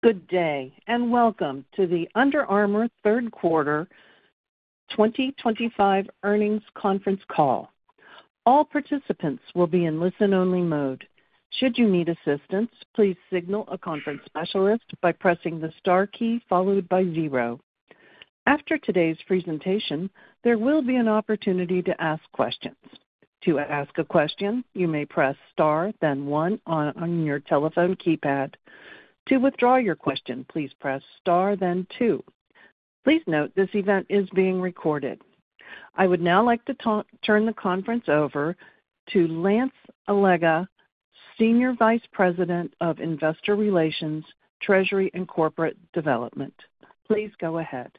Good day, and welcome to the Under Armour Third Quarter 2025 earnings conference call. All participants will be in listen-only mode. Should you need assistance, please signal a conference specialist by pressing the star key followed by zero. After today's presentation, there will be an opportunity to ask questions. To ask a question, you may press star, then one, on your telephone keypad. To withdraw your question, please press star, then two. Please note this event is being recorded. I would now like to turn the conference over to Lance Allega, Senior Vice President of Investor Relations, Treasury and Corporate Development. Please go ahead.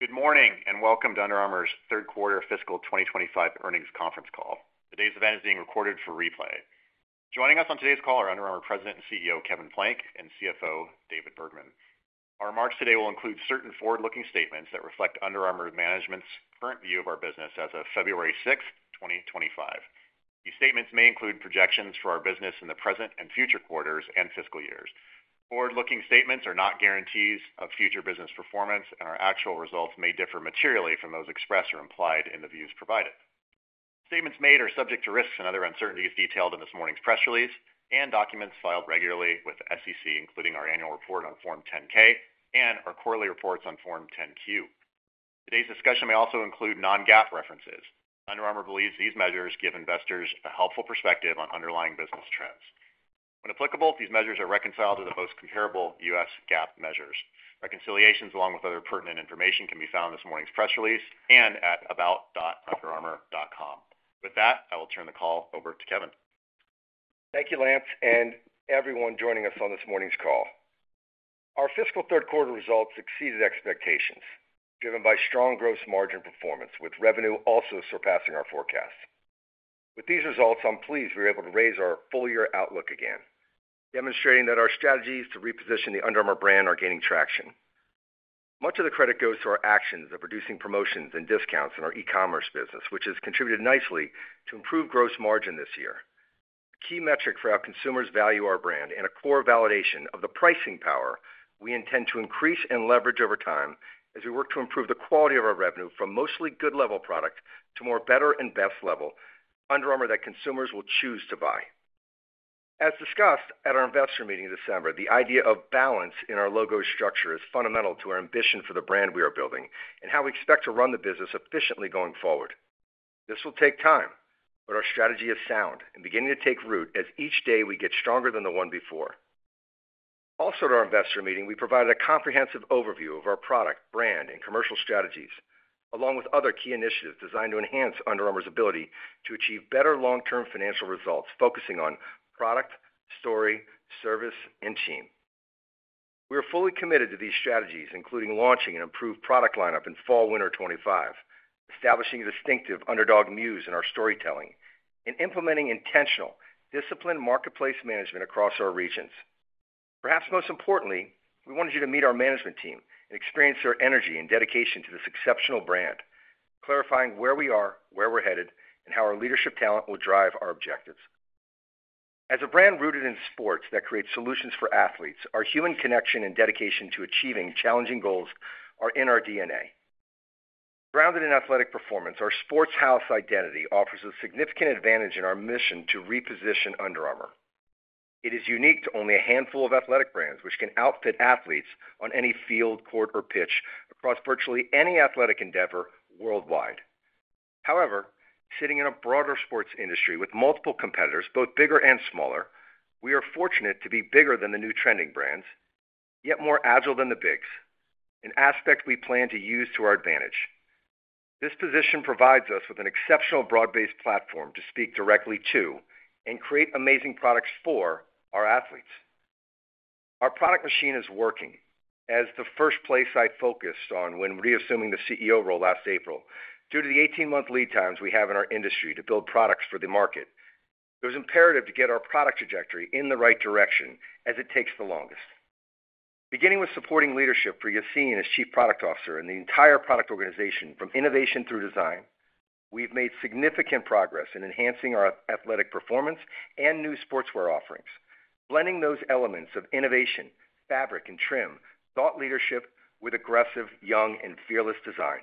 Good morning and welcome to Under Armour's Third Quarter Fiscal 2025 earnings conference call. Today's event is being recorded for replay. Joining us on today's call are Under Armour President and CEO Kevin Plank and CFO David Bergman. Our remarks today will include certain forward-looking statements that reflect Under Armour management's current view of our business as of February 6th, 2025. These statements may include projections for our business in the present and future quarters and fiscal years. Forward-looking statements are not guarantees of future business performance, and our actual results may differ materially from those expressed or implied in the views provided. Statements made are subject to risks and other uncertainties detailed in this morning's press release and documents filed regularly with the SEC, including our annual report on Form 10-K and our quarterly reports on Form 10-Q. Today's discussion may also include non-GAAP references. Under Armour believes these measures give investors a helpful perspective on underlying business trends. When applicable, these measures are reconciled to the most comparable U.S. GAAP measures. Reconciliations, along with other pertinent information, can be found in this morning's press release and at about.underarmour.com. With that, I will turn the call over to Kevin. Thank you, Lance, and everyone joining us on this morning's call. Our fiscal third quarter results exceeded expectations, driven by strong gross margin performance, with revenue also surpassing our forecasts. With these results, I'm pleased we were able to raise our full-year outlook again, demonstrating that our strategies to reposition the Under Armour brand are gaining traction. Much of the credit goes to our actions of reducing promotions and discounts in our e-commerce business, which has contributed nicely to improved gross margin this year. A key metric for how consumers value our brand and a core validation of the pricing power we intend to increase and leverage over time as we work to improve the quality of our revenue from mostly good-level product to more better-and-best level Under Armour that consumers will choose to buy. As discussed at our investor meeting in December, the idea of balance in our logo structure is fundamental to our ambition for the brand we are building and how we expect to run the business efficiently going forward. This will take time, but our strategy is sound and beginning to take root as each day we get stronger than the one before. Also, at our investor meeting, we provided a comprehensive overview of our product, brand, and commercial strategies, along with other key initiatives designed to enhance Under Armour's ability to achieve better long-term financial results, focusing on product, story, service, and team. We are fully committed to these strategies, including launching an improved product lineup in Fall/Winter 2025, establishing a distinctive underdog muse in our storytelling, and implementing intentional, disciplined marketplace management across our regions. Perhaps most importantly, we wanted you to meet our management team and experience their energy and dedication to this exceptional brand, clarifying where we are, where we're headed, and how our leadership talent will drive our objectives. As a brand rooted in sports that creates solutions for athletes, our human connection and dedication to achieving challenging goals are in our DNA. Grounded in athletic performance, our sports house identity offers a significant advantage in our mission to reposition Under Armour. It is unique to only a handful of athletic brands, which can outfit athletes on any field, court, or pitch across virtually any athletic endeavor worldwide. However, sitting in a broader sports industry with multiple competitors, both bigger and smaller, we are fortunate to be bigger than the new trending brands, yet more agile than the bigs, an aspect we plan to use to our advantage. This position provides us with an exceptional broad-based platform to speak directly to and create amazing products for our athletes. Our product machine is working as the first place I focused on when reassuming the CEO role last April. Due to the 18-month lead times we have in our industry to build products for the market, it was imperative to get our product trajectory in the right direction as it takes the longest. Beginning with supporting leadership for Yassine as Chief Product Officer and the entire product organization from innovation through design, we've made significant progress in enhancing our athletic performance and new sportswear offerings, blending those elements of innovation, fabric, and trim thought leadership with aggressive, young, and fearless design.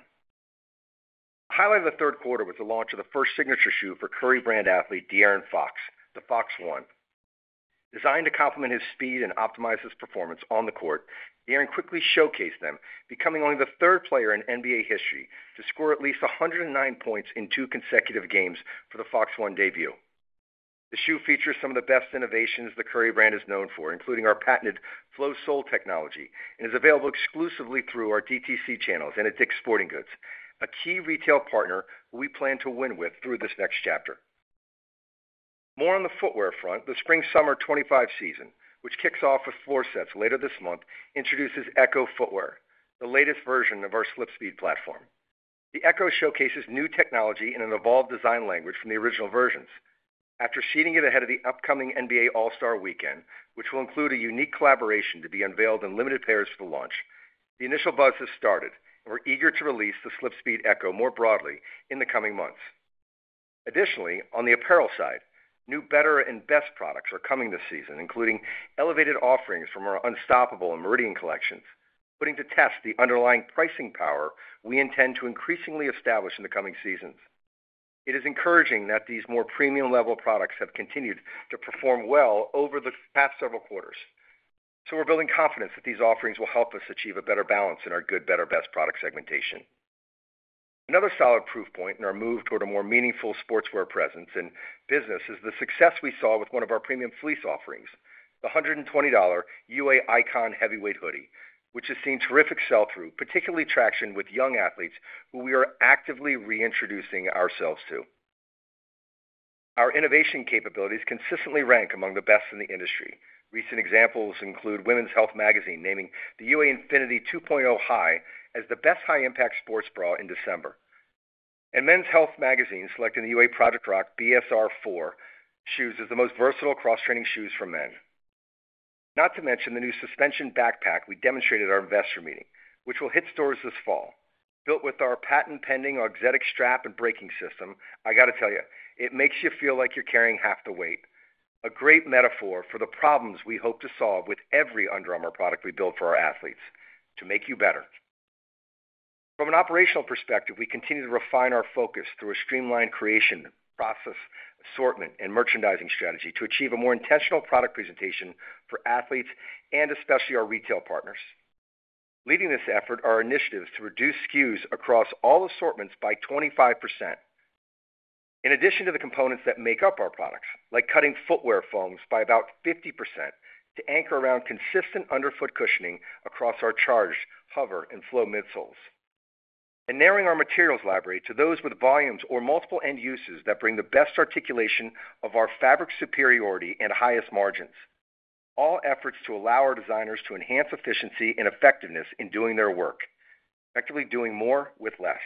A highlight of the third quarter was the launch of the first signature shoe for Curry Brand athlete De'Aaron Fox, the Fox 1. Designed to complement his speed and optimize his performance on the court, De'Aaron quickly showcased them, becoming only the third player in NBA history to score at least 109 points in two consecutive games for the Fox 1 debut. The shoe features some of the best innovations the Curry Brand is known for, including our patented Flow technology, and is available exclusively through our DTC channels and Dick's Sporting Goods, a key retail partner we plan to win with through this next chapter. More on the footwear front, the Spring/Summer 2025 season, which kicks off with floor sets later this month, introduces SlipSpeed ECO, the latest version of our SlipSpeed platform. The SlipSpeed ECO showcases new technology in an evolved design language from the original versions. After teasing it ahead of the upcoming NBA All-Star weekend, which will include a unique collaboration to be unveiled in limited pairs for the launch, the initial buzz has started, and we're eager to release the SlipSpeed ECO more broadly in the coming months. Additionally, on the apparel side, new better-and-best products are coming this season, including elevated offerings from our Unstoppable and Meridian collections, putting to test the underlying pricing power we intend to increasingly establish in the coming seasons. It is encouraging that these more premium-level products have continued to perform well over the past several quarters, so we're building confidence that these offerings will help us achieve a better balance in our good, better, best product segmentation. Another solid proof point in our move toward a more meaningful sportswear presence and business is the success we saw with one of our premium fleece offerings, the $120 UA Icon Heavyweight Hoodie, which has seen terrific sell-through, particularly traction with young athletes who we are actively reintroducing ourselves to. Our innovation capabilities consistently rank among the best in the industry. Recent examples include Women's Health magazine naming the UA Infinity 2.0 High as the best high-impact sports bra in December, and Men's Health magazine selecting the UA Project Rock BSR 4 shoes as the most versatile cross-training shoes for men. Not to mention the new suspension backpack we demonstrated at our investor meeting, which will hit stores this fall. Built with our patent-pending auxiliary strap and braking system, I got to tell you, it makes you feel like you're carrying half the weight. A great metaphor for the problems we hope to solve with every Under Armour product we build for our athletes to make you better. From an operational perspective, we continue to refine our focus through a streamlined creation process, assortment, and merchandising strategy to achieve a more intentional product presentation for athletes and especially our retail partners. Leading this effort are initiatives to reduce SKUs across all assortments by 25%, in addition to the components that make up our products, like cutting footwear foams by about 50% to anchor around consistent underfoot cushioning across our Charged, HOVR, and Flow midsoles, and narrowing our materials library to those with volumes or multiple end uses that bring the best articulation of our fabric superiority and highest margins. All efforts to allow our designers to enhance efficiency and effectiveness in doing their work, effectively doing more with less.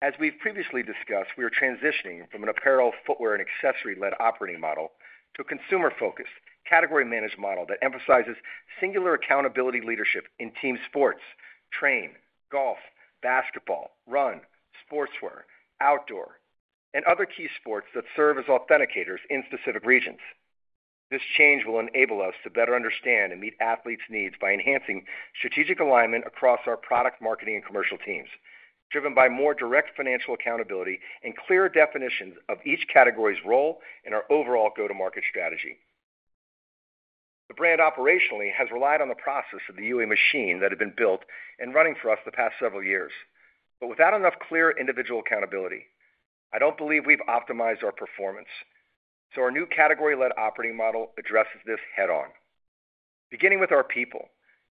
As we've previously discussed, we are transitioning from an apparel, footwear, and accessory-led operating model to a consumer-focused, category-managed model that emphasizes singular accountability leadership in team sports, train, golf, basketball, run, sportswear, outdoor, and other key sports that serve as authenticators in specific regions. This change will enable us to better understand and meet athletes' needs by enhancing strategic alignment across our product, marketing, and commercial teams, driven by more direct financial accountability and clearer definitions of each category's role in our overall go-to-market strategy. The brand operationally has relied on the process of the UA machine that had been built and running for us the past several years, but without enough clear individual accountability, I don't believe we've optimized our performance. So our new category-led operating model addresses this head-on. Beginning with our people,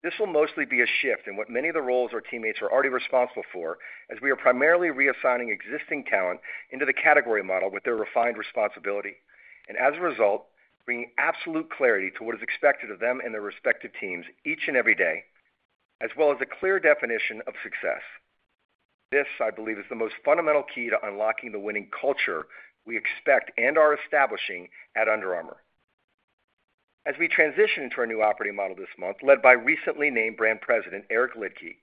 this will mostly be a shift in what many of the roles our teammates are already responsible for, as we are primarily reassigning existing talent into the category model with their refined responsibility, and as a result, bringing absolute clarity to what is expected of them and their respective teams each and every day, as well as a clear definition of success. This, I believe, is the most fundamental key to unlocking the winning culture we expect and are establishing at Under Armour. As we transition into our new operating model this month, led by recently named brand president Eric Liedtke,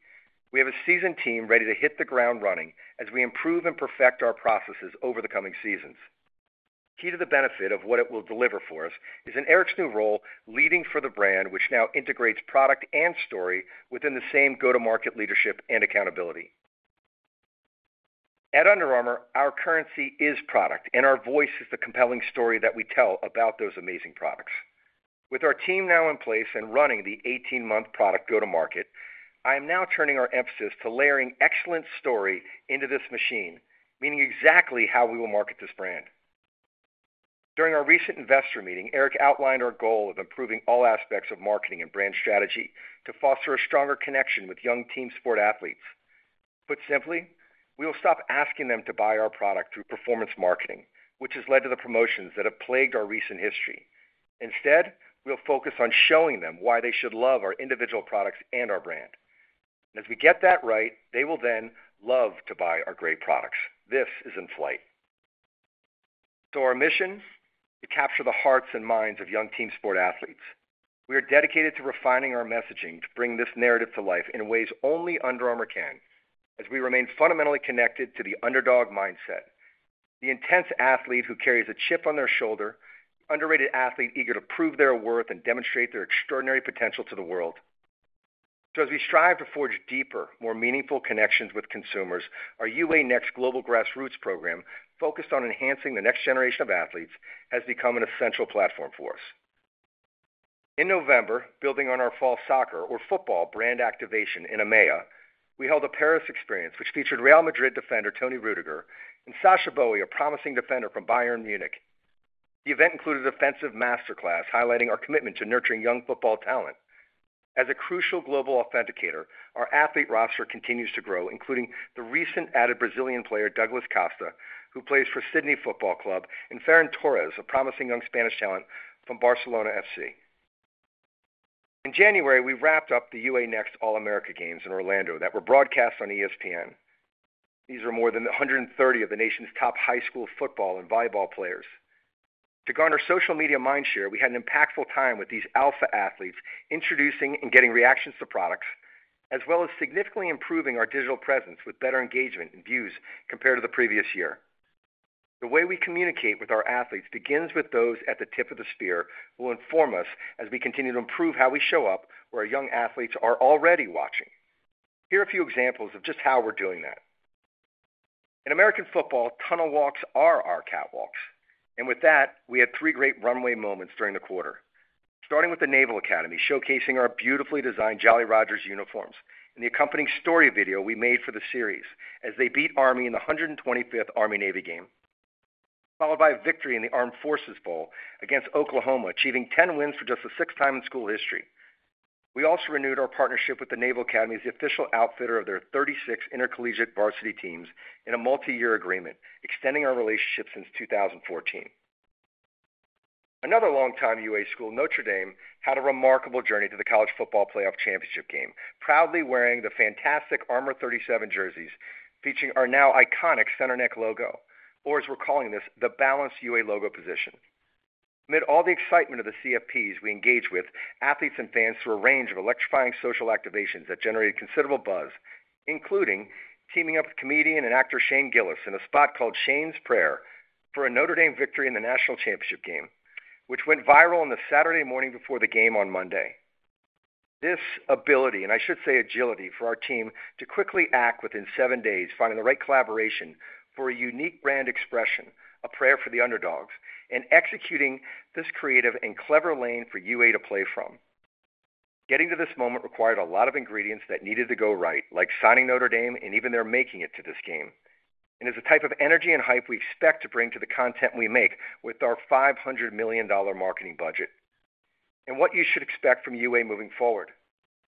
we have a seasoned team ready to hit the ground running as we improve and perfect our processes over the coming seasons. Key to the benefit of what it will deliver for us is in Eric's new role leading for the brand, which now integrates product and story within the same go-to-market leadership and accountability. At Under Armour, our currency is product, and our voice is the compelling story that we tell about those amazing products. With our team now in place and running the 18-month product go-to-market, I am now turning our emphasis to layering excellent story into this machine, meaning exactly how we will market this brand. During our recent investor meeting, Eric outlined our goal of improving all aspects of marketing and brand strategy to foster a stronger connection with young team sport athletes. Put simply, we will stop asking them to buy our product through performance marketing, which has led to the promotions that have plagued our recent history. Instead, we'll focus on showing them why they should love our individual products and our brand. And as we get that right, they will then love to buy our great products. This is in flight. So our mission is to capture the hearts and minds of young team sport athletes. We are dedicated to refining our messaging to bring this narrative to life in ways only Under Armour can, as we remain fundamentally connected to the underdog mindset, the intense athlete who carries a chip on their shoulder, the underrated athlete eager to prove their worth and demonstrate their extraordinary potential to the world. So as we strive to forge deeper, more meaningful connections with consumers, our UA Next Global Grassroots program, focused on enhancing the next generation of athletes, has become an essential platform for us. In November, building on our Fall Soccer or Football brand activation in EMEA, we held a Paris experience which featured Real Madrid defender Toni Rüdiger and Sacha Boey, a promising defender from Bayern Munich. The event included an offensive masterclass highlighting our commitment to nurturing young football talent. As a crucial global authenticator, our athlete roster continues to grow, including the recent added Brazilian player Douglas Costa, who plays for Sydney FC, and Ferran Torres, a promising young Spanish talent from FC Barcelona. In January, we wrapped up the UA Next All-America Games in Orlando that were broadcast on ESPN. These were more than 130 of the nation's top high school football and volleyball players. To garner social media mind share, we had an impactful time with these alpha athletes introducing and getting reactions to products, as well as significantly improving our digital presence with better engagement and views compared to the previous year. The way we communicate with our athletes begins with those at the tip of the spear who will inform us as we continue to improve how we show up where our young athletes are already watching. Here are a few examples of just how we're doing that. In American football, tunnel walks are our catwalks. And with that, we had three great runway moments during the quarter, starting with the Naval Academy showcasing our beautifully designed Jolly Rogers uniforms and the accompanying story video we made for the series as they beat Army in the 125th Army Navy game, followed by a victory in the Armed Forces Bowl against Oklahoma, achieving 10 wins for just the sixth time in school history. We also renewed our partnership with the Naval Academy as the official outfitter of their 36 intercollegiate varsity teams in a multi-year agreement, extending our relationship since 2014. Another longtime UA school, Notre Dame, had a remarkable journey to the College Football Playoff Championship game, proudly wearing the fantastic Armour 37 jerseys featuring our now iconic center neck logo, or as we're calling this, the balanced UA logo position. Amid all the excitement of the CFPs we engage with athletes and fans through a range of electrifying social activations that generated considerable buzz, including teaming up with comedian and actor Shane Gillis in a spot called Shane's Prayer for a Notre Dame victory in the national championship game, which went viral on the Saturday morning before the game on Monday. This ability, and I should say agility, for our team to quickly act within seven days, finding the right collaboration for a unique brand expression, a prayer for the underdogs, and executing this creative and clever lane for UA to play from. Getting to this moment required a lot of ingredients that needed to go right, like signing Notre Dame and even their making it to this game. It's the type of energy and hype we expect to bring to the content we make with our $500 million marketing budget and what you should expect from UA moving forward.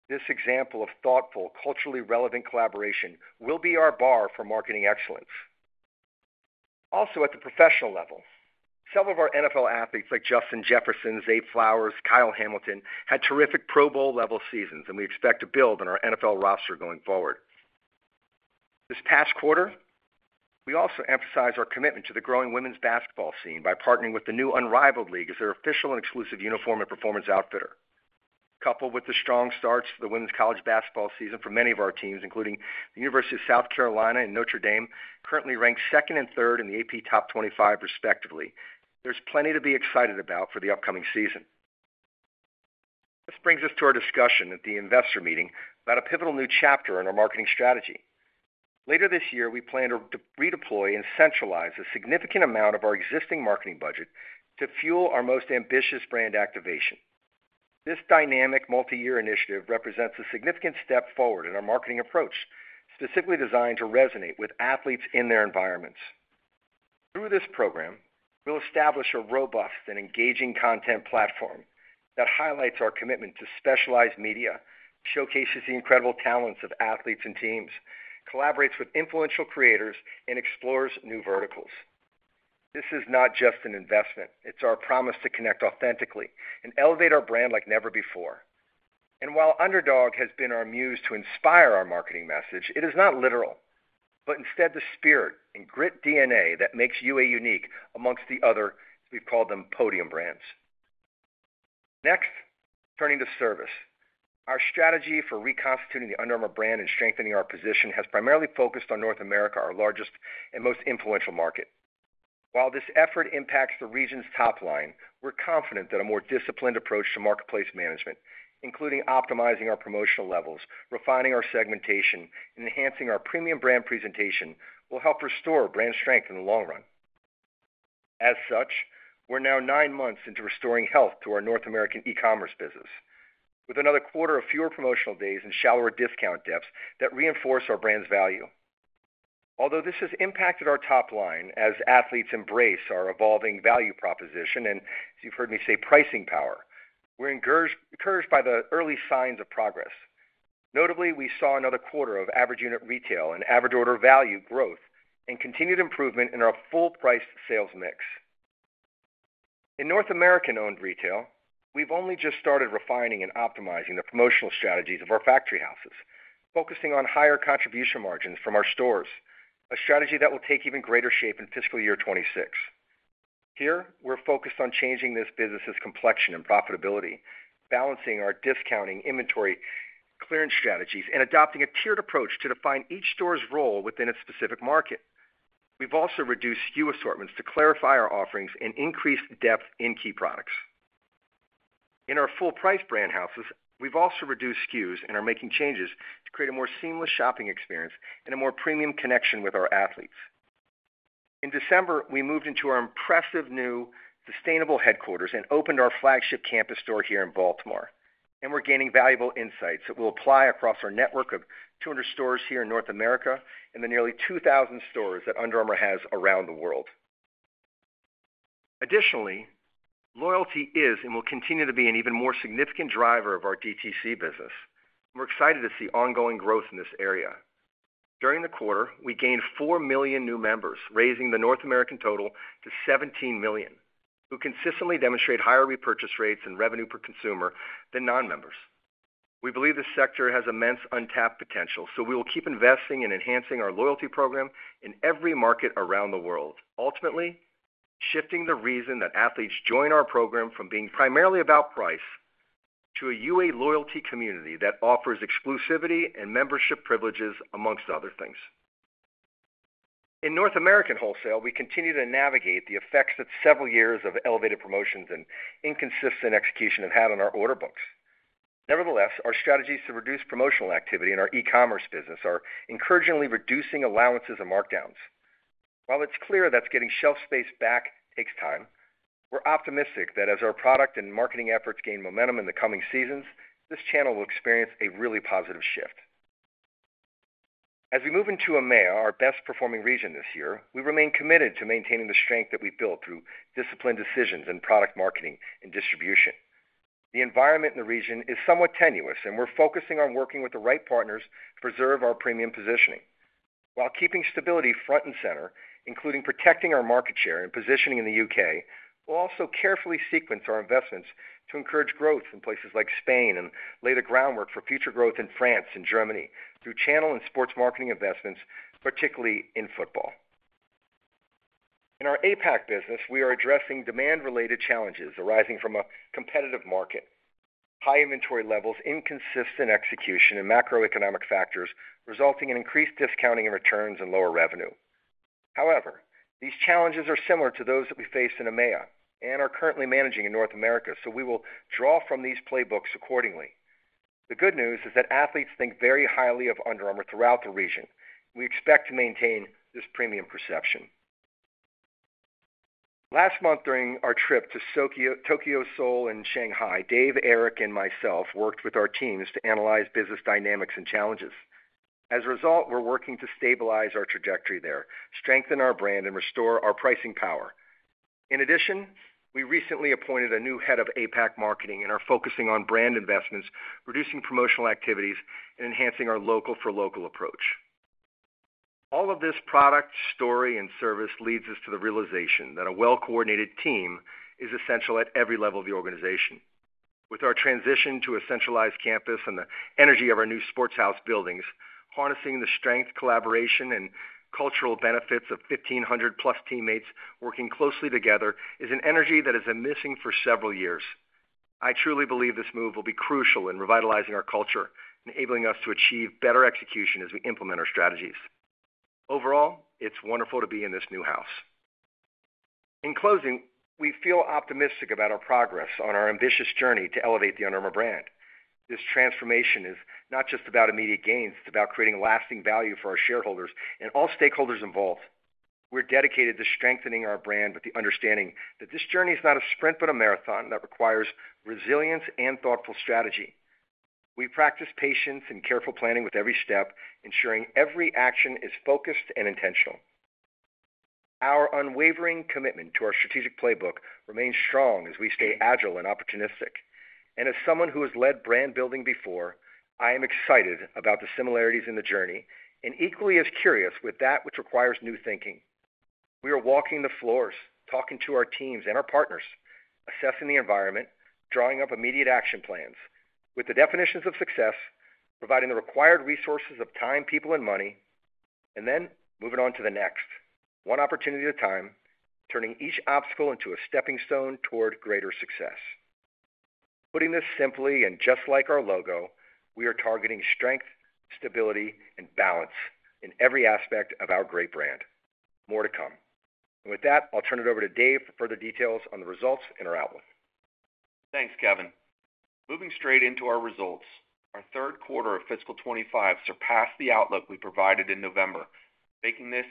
This example of thoughtful, culturally relevant collaboration will be our bar for marketing excellence. Also, at the professional level, several of our NFL athletes like Justin Jefferson, Zay Flowers, Kyle Hamilton had terrific Pro Bowl-level seasons, and we expect to build on our NFL roster going forward. This past quarter, we also emphasized our commitment to the growing women's basketball scene by partnering with the new Unrivaled League as their official and exclusive uniform and performance outfitter. Coupled with the strong starts to the women's college basketball season for many of our teams, including the University of South Carolina and Notre Dame, currently ranked second and third in the AP Top 25, respectively, there's plenty to be excited about for the upcoming season. This brings us to our discussion at the investor meeting about a pivotal new chapter in our marketing strategy. Later this year, we plan to redeploy and centralize a significant amount of our existing marketing budget to fuel our most ambitious brand activation. This dynamic multi-year initiative represents a significant step forward in our marketing approach, specifically designed to resonate with athletes in their environments. Through this program, we'll establish a robust and engaging content platform that highlights our commitment to specialized media, showcases the incredible talents of athletes and teams, collaborates with influential creators, and explores new verticals. This is not just an investment. It's our promise to connect authentically and elevate our brand like never before. And while Underdog has been our muse to inspire our marketing message, it is not literal, but instead the spirit and grit DNA that makes UA unique amongst the other, we've called them, podium brands. Next, turning to service, our strategy for reconstituting the Under Armour brand and strengthening our position has primarily focused on North America, our largest and most influential market. While this effort impacts the region's top line, we're confident that a more disciplined approach to marketplace management, including optimizing our promotional levels, refining our segmentation, and enhancing our premium brand presentation, will help restore brand strength in the long run. As such, we're now nine months into restoring health to our North American e-commerce business, with another quarter of fewer promotional days and shallower discount depths that reinforce our brand's value. Although this has impacted our top line as athletes embrace our evolving value proposition and, as you've heard me say, pricing power, we're encouraged by the early signs of progress. Notably, we saw another quarter of average unit retail and average order value growth and continued improvement in our full-priced sales mix. In North American-owned retail, we've only just started refining and optimizing the promotional strategies of our factory houses, focusing on higher contribution margins from our stores, a strategy that will take even greater shape in fiscal year 2026. Here, we're focused on changing this business's complexion and profitability, balancing our discounting, inventory, clearance strategies, and adopting a tiered approach to define each store's role within its specific market. We've also reduced SKU assortments to clarify our offerings and increase depth in key products. In our full-price brand houses, we've also reduced SKUs and are making changes to create a more seamless shopping experience and a more premium connection with our athletes. In December, we moved into our impressive new sustainable headquarters and opened our flagship campus store here in Baltimore, and we're gaining valuable insights that will apply across our network of 200 stores here in North America and the nearly 2,000 stores that Under Armour has around the world. Additionally, loyalty is and will continue to be an even more significant driver of our DTC business, and we're excited to see ongoing growth in this area. During the quarter, we gained 4 million new members, raising the North American total to 17 million, who consistently demonstrate higher repurchase rates and revenue per consumer than non-members. We believe this sector has immense untapped potential, so we will keep investing and enhancing our loyalty program in every market around the world. Ultimately shifting the reason that athletes join our program from being primarily about price to a UA loyalty community that offers exclusivity and membership privileges, among other things. In North American wholesale, we continue to navigate the effects that several years of elevated promotions and inconsistent execution have had on our order books. Nevertheless, our strategies to reduce promotional activity in our e-commerce business are encouragingly reducing allowances and markdowns. While it's clear that getting shelf space back takes time, we're optimistic that as our product and marketing efforts gain momentum in the coming seasons, this channel will experience a really positive shift. As we move into EMEA, our best-performing region this year, we remain committed to maintaining the strength that we've built through disciplined decisions in product marketing and distribution. The environment in the region is somewhat tenuous, and we're focusing on working with the right partners to preserve our premium positioning. While keeping stability front and center, including protecting our market share and positioning in the UK, we'll also carefully sequence our investments to encourage growth in places like Spain and lay the groundwork for future growth in France and Germany through channel and sports marketing investments, particularly in football. In our APAC business, we are addressing demand-related challenges arising from a competitive market, high inventory levels, inconsistent execution, and macroeconomic factors resulting in increased discounting and returns and lower revenue. However, these challenges are similar to those that we face in EMEA and are currently managing in North America, so we will draw from these playbooks accordingly. The good news is that athletes think very highly of Under Armour throughout the region, and we expect to maintain this premium perception. Last month, during our trip to Tokyo, Seoul, and Shanghai, Dave, Eric, and myself worked with our teams to analyze business dynamics and challenges. As a result, we're working to stabilize our trajectory there, strengthen our brand, and restore our pricing power. In addition, we recently appointed a new head of APAC marketing and are focusing on brand investments, reducing promotional activities, and enhancing our local-for-local approach. All of this product, story, and service leads us to the realization that a well-coordinated team is essential at every level of the organization. With our transition to a centralized campus and the energy of our new sports house buildings, harnessing the strength, collaboration, and cultural benefits of 1,500-plus teammates working closely together is an energy that has been missing for several years. I truly believe this move will be crucial in revitalizing our culture, enabling us to achieve better execution as we implement our strategies. Overall, it's wonderful to be in this new house. In closing, we feel optimistic about our progress on our ambitious journey to elevate the Under Armour brand. This transformation is not just about immediate gains. It's about creating lasting value for our shareholders and all stakeholders involved. We're dedicated to strengthening our brand with the understanding that this journey is not a sprint but a marathon that requires resilience and thoughtful strategy. We practice patience and careful planning with every step, ensuring every action is focused and intentional. Our unwavering commitment to our strategic playbook remains strong as we stay agile and opportunistic. And as someone who has led brand building before, I am excited about the similarities in the journey and equally as curious with that which requires new thinking. We are walking the floors, talking to our teams and our partners, assessing the environment, drawing up immediate action plans with the definitions of success, providing the required resources of time, people, and money, and then moving on to the next, one opportunity at a time, turning each obstacle into a stepping stone toward greater success. Putting this simply and just like our logo, we are targeting strength, stability, and balance in every aspect of our great brand. More to come, and with that, I'll turn it over to Dave for further details on the results and our outlook. Thanks, Kevin. Moving straight into our results, our third quarter of fiscal 2025 surpassed the outlook we provided in November, making this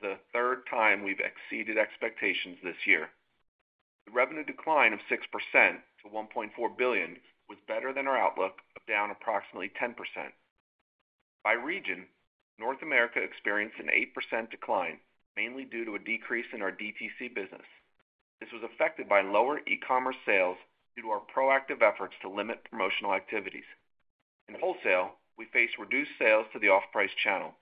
the third time we've exceeded expectations this year. The revenue decline of 6% to $1.4 billion was better than our outlook of down approximately 10%. By region, North America experienced an 8% decline, mainly due to a decrease in our DTC business. This was affected by lower e-commerce sales due to our proactive efforts to limit promotional activities. In wholesale, we faced reduced sales to the off-price channel,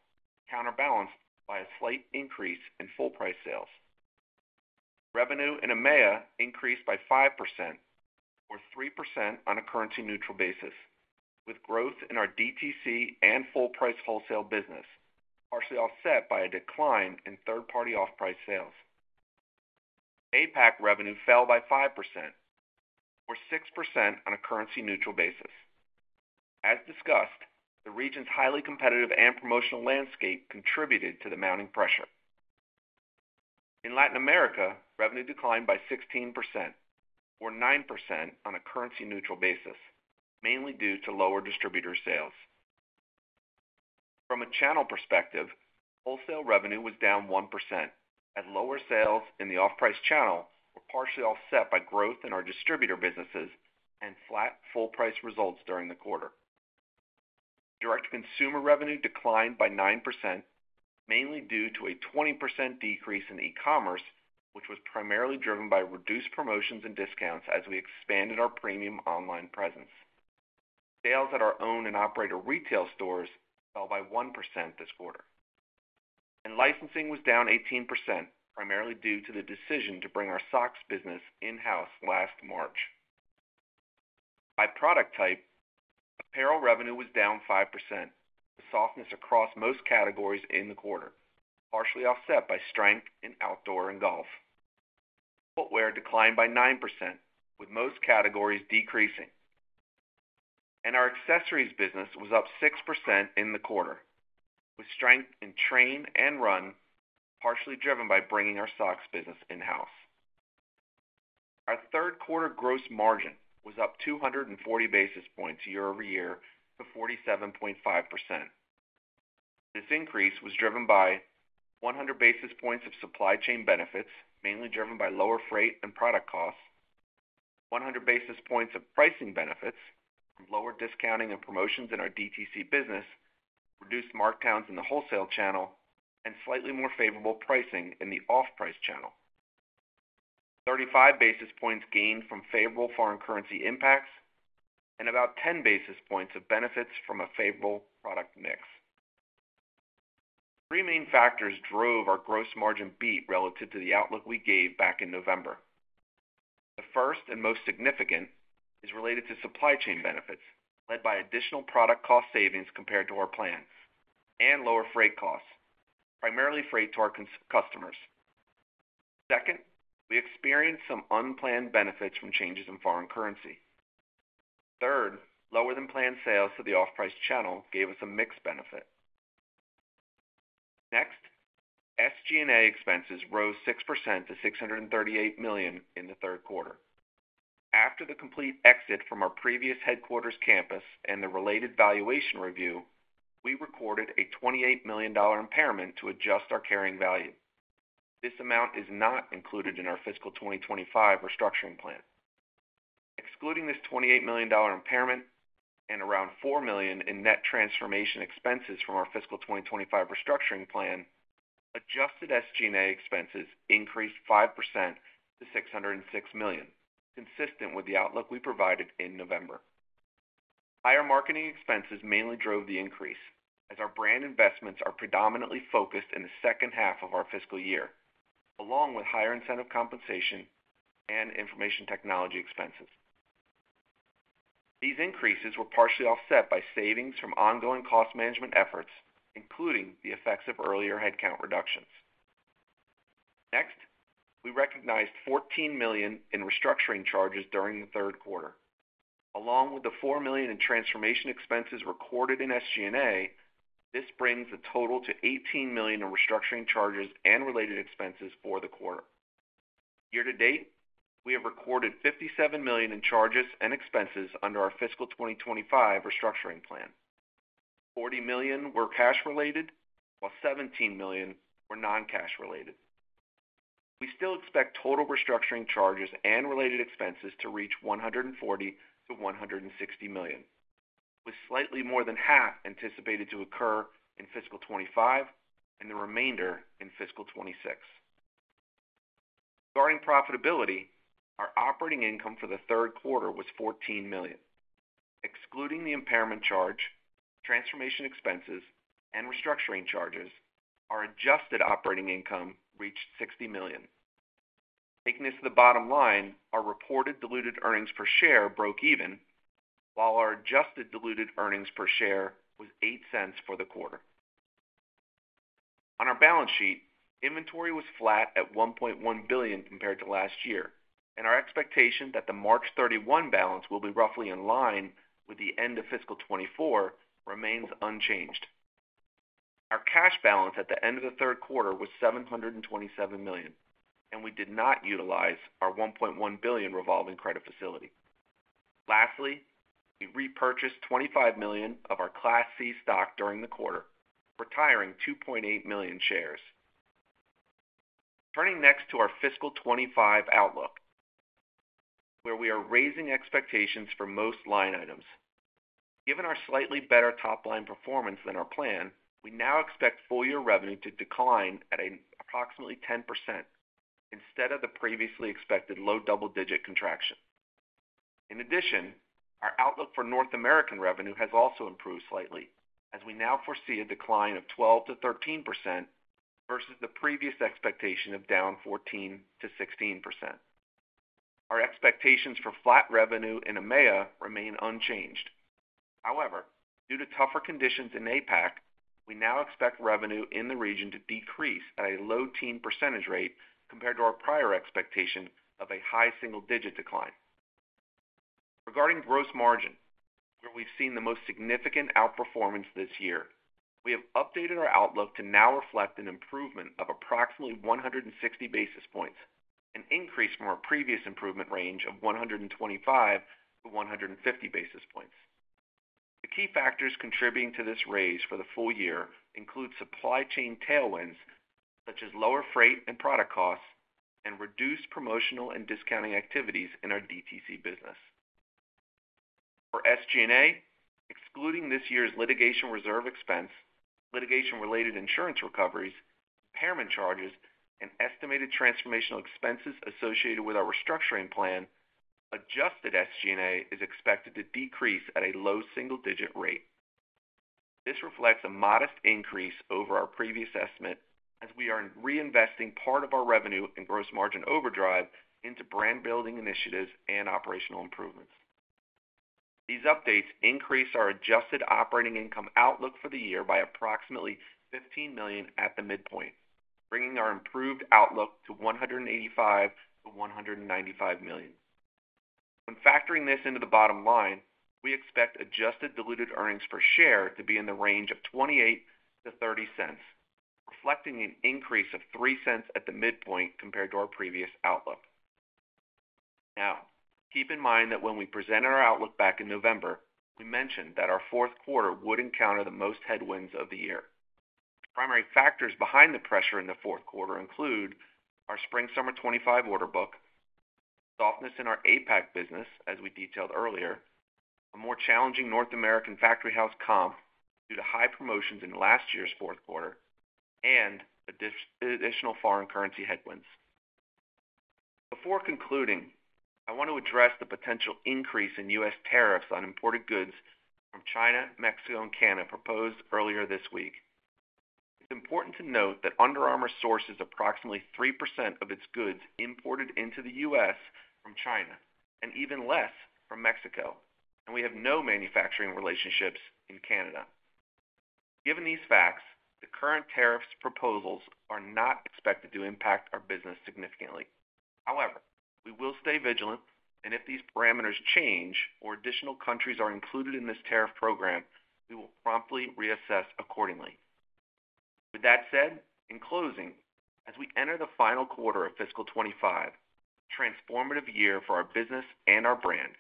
counterbalanced by a slight increase in full-price sales. Revenue in EMEA increased by 5%, or 3% on a currency-neutral basis, with growth in our DTC and full-price wholesale business, partially offset by a decline in third-party off-price sales. APAC revenue fell by 5%, or 6% on a currency-neutral basis. As discussed, the region's highly competitive and promotional landscape contributed to the mounting pressure. In Latin America, revenue declined by 16%, or 9% on a currency-neutral basis, mainly due to lower distributor sales. From a channel perspective, wholesale revenue was down 1%, as lower sales in the off-price channel were partially offset by growth in our distributor businesses and flat full-price results during the quarter. Direct-to-consumer revenue declined by 9%, mainly due to a 20% decrease in e-commerce, which was primarily driven by reduced promotions and discounts as we expanded our premium online presence. Sales at our own and operator retail stores fell by 1% this quarter. Licensing was down 18%, primarily due to the decision to bring our socks business in-house last March. By product type, apparel revenue was down 5%, with softness across most categories in the quarter, partially offset by strength in outdoor and golf. Footwear declined by 9%, with most categories decreasing. Our accessories business was up 6% in the quarter, with strength in train and run, partially driven by bringing our socks business in-house. Our third quarter gross margin was up 240 basis points year-over-year to 47.5%. This increase was driven by 100 basis points of supply chain benefits, mainly driven by lower freight and product costs. 100 basis points of pricing benefits from lower discounting and promotions in our DTC business, reduced markdowns in the wholesale channel, and slightly more favorable pricing in the off-price channel. 35 basis points gained from favorable foreign currency impacts and about 10 basis points of benefits from a favorable product mix. Three main factors drove our gross margin beat relative to the outlook we gave back in November. The first and most significant is related to supply chain benefits, led by additional product cost savings compared to our plans and lower freight costs, primarily freight to our customers. Second, we experienced some unplanned benefits from changes in foreign currency. Third, lower-than-planned sales to the off-price channel gave us a mixed benefit. Next, SG&A expenses rose 6% to $638 million in the third quarter. After the complete exit from our previous headquarters campus and the related valuation review, we recorded a $28 million impairment to adjust our carrying value. This amount is not included in our fiscal 2025 restructuring plan. Excluding this $28 million impairment and around 4 million in net transformation expenses from our fiscal 2025 restructuring plan, adjusted SG&A expenses increased 5% to 606 million, consistent with the outlook we provided in November. Higher marketing expenses mainly drove the increase, as our brand investments are predominantly focused in the second half of our fiscal year, along with higher incentive compensation and information technology expenses. These increases were partially offset by savings from ongoing cost management efforts, including the effects of earlier headcount reductions. Next, we recognized 14 million in restructuring charges during the third quarter. Along with the 4 million in transformation expenses recorded in SG&A, this brings the total to 18 million in restructuring charges and related expenses for the quarter. Year-to-date, we have recorded 57 million in charges and expenses under our fiscal 2025 restructuring plan. 40 million were cash-related, while 17 million were non-cash-related. We still expect total restructuring charges and related expenses to reach $140 million-$160 million, with slightly more than half anticipated to occur in fiscal 2025 and the remainder in fiscal 2026. Regarding profitability, our operating income for the third quarter was $14 million. Excluding the impairment charge, transformation expenses, and restructuring charges, our adjusted operating income reached $60 million. Taking this to the bottom line, our reported diluted earnings per share broke even, while our adjusted diluted earnings per share was $0.08 for the quarter. On our balance sheet, inventory was flat at $1.1 billion compared to last year, and our expectation that the March 31 balance will be roughly in line with the end of fiscal 2024 remains unchanged. Our cash balance at the end of the third quarter was $727 million, and we did not utilize our $1.1 billion revolving credit facility. Lastly, we repurchased 25 million of our Class C stock during the quarter, retiring 2.8 million shares. Turning next to our fiscal '25 outlook, where we are raising expectations for most line items. Given our slightly better top-line performance than our plan, we now expect full-year revenue to decline at approximately 10% instead of the previously expected low double-digit contraction. In addition, our outlook for North American revenue has also improved slightly, as we now foresee a decline of 12-13% versus the previous expectation of down 14-16%. Our expectations for flat revenue in EMEA remain unchanged. However, due to tougher conditions in APAC, we now expect revenue in the region to decrease at a low-teens percentage rate compared to our prior expectation of a high single-digit decline. Regarding gross margin, where we've seen the most significant outperformance this year, we have updated our outlook to now reflect an improvement of approximately 160 basis points, an increase from our previous improvement range of 125 to 150 basis points. The key factors contributing to this raise for the full year include supply chain tailwinds such as lower freight and product costs and reduced promotional and discounting activities in our DTC business. For SG&A, excluding this year's litigation reserve expense, litigation-related insurance recoveries, impairment charges, and estimated transformational expenses associated with our restructuring plan, adjusted SG&A is expected to decrease at a low single-digit rate. This reflects a modest increase over our previous estimate, as we are reinvesting part of our revenue and gross margin overdrive into brand-building initiatives and operational improvements. These updates increase our adjusted operating income outlook for the year by approximately $15 million at the midpoint, bringing our improved outlook to $185 million-$195 million. When factoring this into the bottom line, we expect adjusted diluted earnings per share to be in the range of $0.28-$0.30, reflecting an increase of $0.03 at the midpoint compared to our previous outlook. Now, keep in mind that when we presented our outlook back in November, we mentioned that our fourth quarter would encounter the most headwinds of the year. Primary factors behind the pressure in the fourth quarter include our spring-summer 2025 order book, softness in our APAC business, as we detailed earlier, a more challenging North American factory outlet comp due to high promotions in last year's fourth quarter, and the additional foreign currency headwinds. Before concluding, I want to address the potential increase in U.S. Tariffs on imported goods from China, Mexico, and Canada proposed earlier this week. It's important to note that Under Armour sources approximately 3% of its goods imported into the U.S. from China and even less from Mexico, and we have no manufacturing relationships in Canada. Given these facts, the current tariff proposals are not expected to impact our business significantly. However, we will stay vigilant, and if these parameters change or additional countries are included in this tariff program, we will promptly reassess accordingly. With that said, in closing, as we enter the final quarter of fiscal 2025, a transformative year for our business and our brand,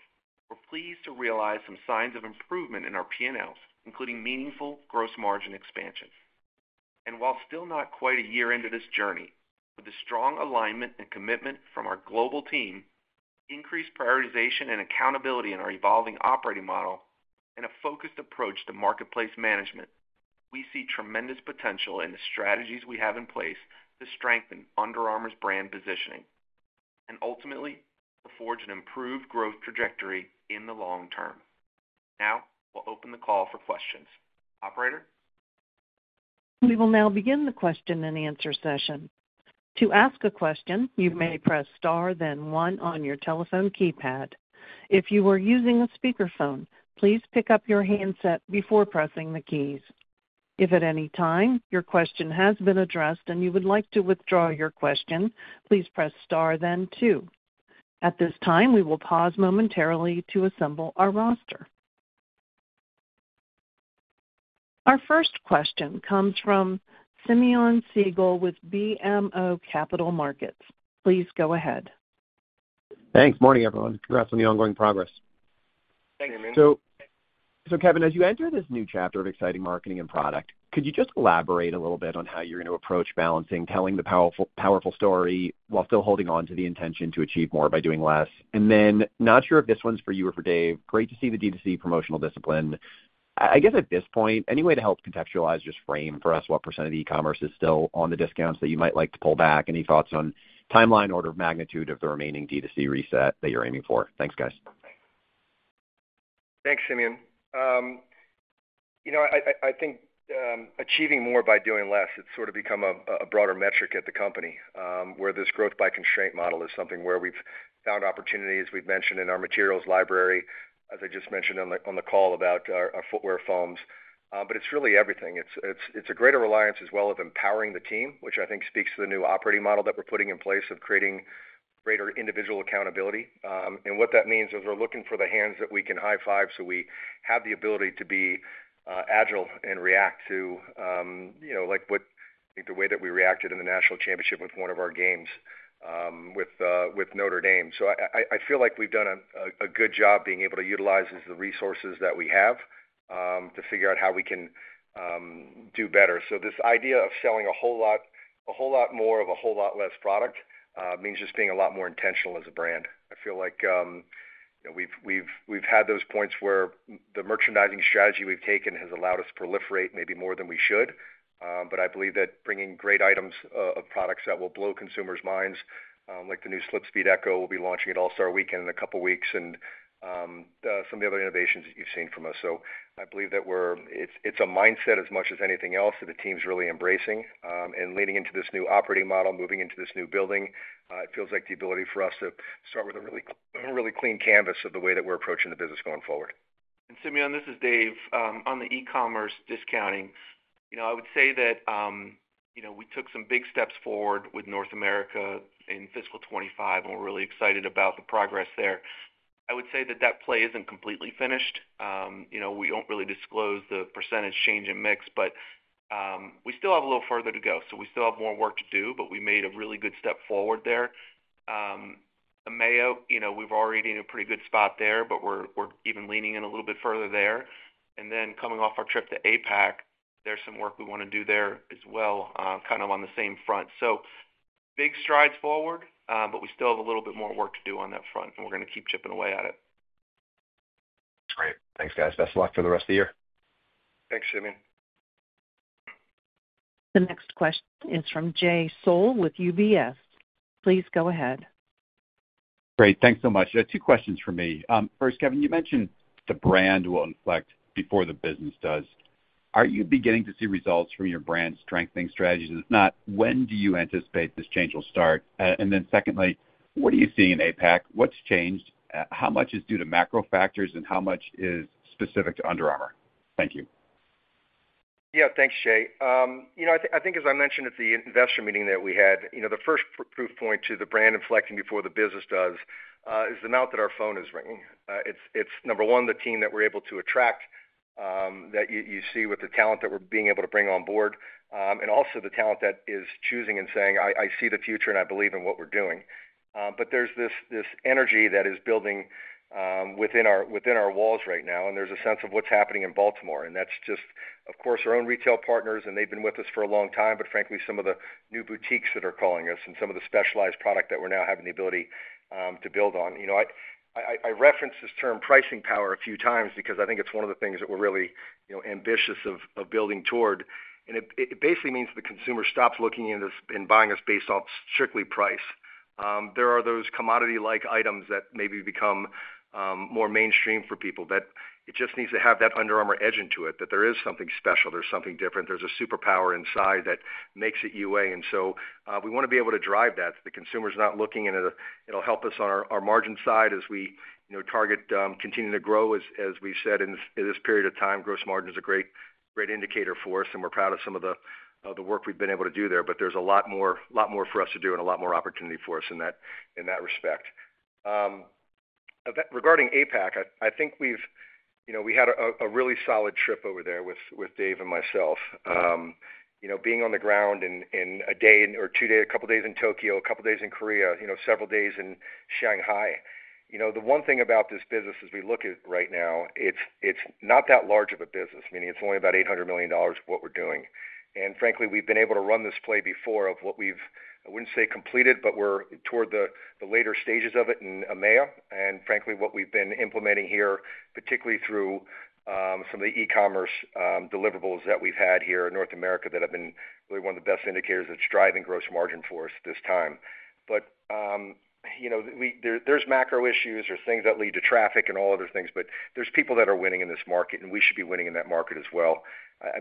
we're pleased to realize some signs of improvement in our P&Ls, including meaningful gross margin expansion. And while still not quite a year into this journey, with the strong alignment and commitment from our global team, increased prioritization and accountability in our evolving operating model, and a focused approach to marketplace management, we see tremendous potential in the strategies we have in place to strengthen Under Armour's brand positioning and ultimately to forge an improved growth trajectory in the long term. Now, we'll open the call for questions. Operator? We will now begin the question-and-answer session. To ask a question, you may press star, then one on your telephone keypad. If you are using a speakerphone, please pick up your handset before pressing the keys. If at any time your question has been addressed and you would like to withdraw your question, please press star, then two. At this time, we will pause momentarily to assemble our roster. Our first question comes from Simeon Siegel with BMO Capital Markets. Please go ahead. Thanks. Morning, everyone. Congrats on the ongoing progress. Thanks, Simeon. So, Kevin, as you enter this new chapter of exciting marketing and product, could you just elaborate a little bit on how you're going to approach balancing, telling the powerful story while still holding on to the intention to achieve more by doing less? And then, not sure if this one's for you or for Dave. Great to see the DTC promotional discipline. I guess at this point, any way to help contextualize or just frame for us what % of the e-commerce is still on the discounts that you might like to pull back? Any thoughts on timeline order of magnitude of the remaining DTC reset that you're aiming for? Thanks, guys. Thanks, Simeon. I think achieving more by doing less. It's sort of become a broader metric at the company where this growth by constraint model is something where we've found opportunities. We've mentioned in our materials library, as I just mentioned on the call about our footwear foams. But it's really everything. It's a greater reliance as well of empowering the team, which I think speaks to the new operating model that we're putting in place of creating greater individual accountability, and what that means is we're looking for the hands that we can high-five so we have the ability to be agile and react to what I think the way that we reacted in the national championship with one of our games with Notre Dame. I feel like we've done a good job being able to utilize the resources that we have to figure out how we can do better. So this idea of selling a whole lot more of a whole lot less product means just being a lot more intentional as a brand. I feel like we've had those points where the merchandising strategy we've taken has allowed us to proliferate maybe more than we should. But I believe that bringing great items of products that will blow consumers' minds, like the new SlipSpeed Echo, we'll be launching at All-Star Weekend in a couple of weeks, and some of the other innovations that you've seen from us. So I believe that it's a mindset as much as anything else that the team's really embracing. And leaning into this new operating model, moving into this new building, it feels like the ability for us to start with a really clean canvas of the way that we're approaching the business going forward. And Simeon, this is Dave. On the e-commerce discounting, I would say that we took some big steps forward with North America in fiscal 2025, and we're really excited about the progress there. I would say that that play isn't completely finished. We don't really disclose the percentage change in mix, but we still have a little further to go. So we still have more work to do, but we made a really good step forward there. EMEA, we've already been in a pretty good spot there, but we're even leaning in a little bit further there. And then coming off our trip to APAC, there's some work we want to do there as well, kind of on the same front. So big strides forward, but we still have a little bit more work to do on that front, and we're going to keep chipping away at it. That's great. Thanks, guys. Best of luck for the rest of the year. Thanks, Simeon. The next question is from Jay Sole with UBS. Please go ahead. Great. Thanks so much. Two questions for me. First, Kevin, you mentioned the brand will inflect before the business does. Are you beginning to see results from your brand strengthening strategy, if not, when do you anticipate this change will start? And then secondly, what are you seeing in APAC? What's changed? How much is due to macro factors, and how much is specific to Under Armour? Thank you. Yeah, thanks, Jay. I think, as I mentioned at the investor meeting that we had, the first proof point to the brand inflecting before the business does is the fact that our phone is ringing. It's number one, the team that we're able to attract, that you see with the talent that we're being able to bring on board, and also the talent that is choosing and saying, "I see the future, and I believe in what we're doing." But there's this energy that is building within our walls right now, and there's a sense of what's happening in Baltimore. And that's just, of course, our own retail partners, and they've been with us for a long time, but frankly, some of the new boutiques that are calling us and some of the specialized product that we're now having the ability to build on. I referenced this term pricing power a few times because I think it's one of the things that we're really ambitious of building toward. And it basically means the consumer stops looking and buying us based off strictly price. There are those commodity-like items that maybe become more mainstream for people that it just needs to have that Under Armour edge into it, that there is something special. There's something different. There's a superpower inside that makes it UA. And so we want to be able to drive that. The consumer's not looking at it. It'll help us on our margin side as we target continuing to grow, as we said in this period of time. Gross margin is a great indicator for us, and we're proud of some of the work we've been able to do there. But there's a lot more for us to do and a lot more opportunity for us in that respect. Regarding APAC, I think we had a really solid trip over there with Dave and myself. Being on the ground in a day or two days, a couple of days in Tokyo, a couple of days in Korea, several days in Shanghai. The one thing about this business as we look at it right now, it's not that large of a business, meaning it's only about $800 million of what we're doing. And frankly, we've been able to run this play before of what we've, I wouldn't say completed, but we're toward the later stages of it in EMEA. And frankly, what we've been implementing here, particularly through some of the e-commerce deliverables that we've had here in North America that have been really one of the best indicators that's driving gross margin for us this time. But there's macro issues or things that lead to traffic and all other things, but there's people that are winning in this market, and we should be winning in that market as well.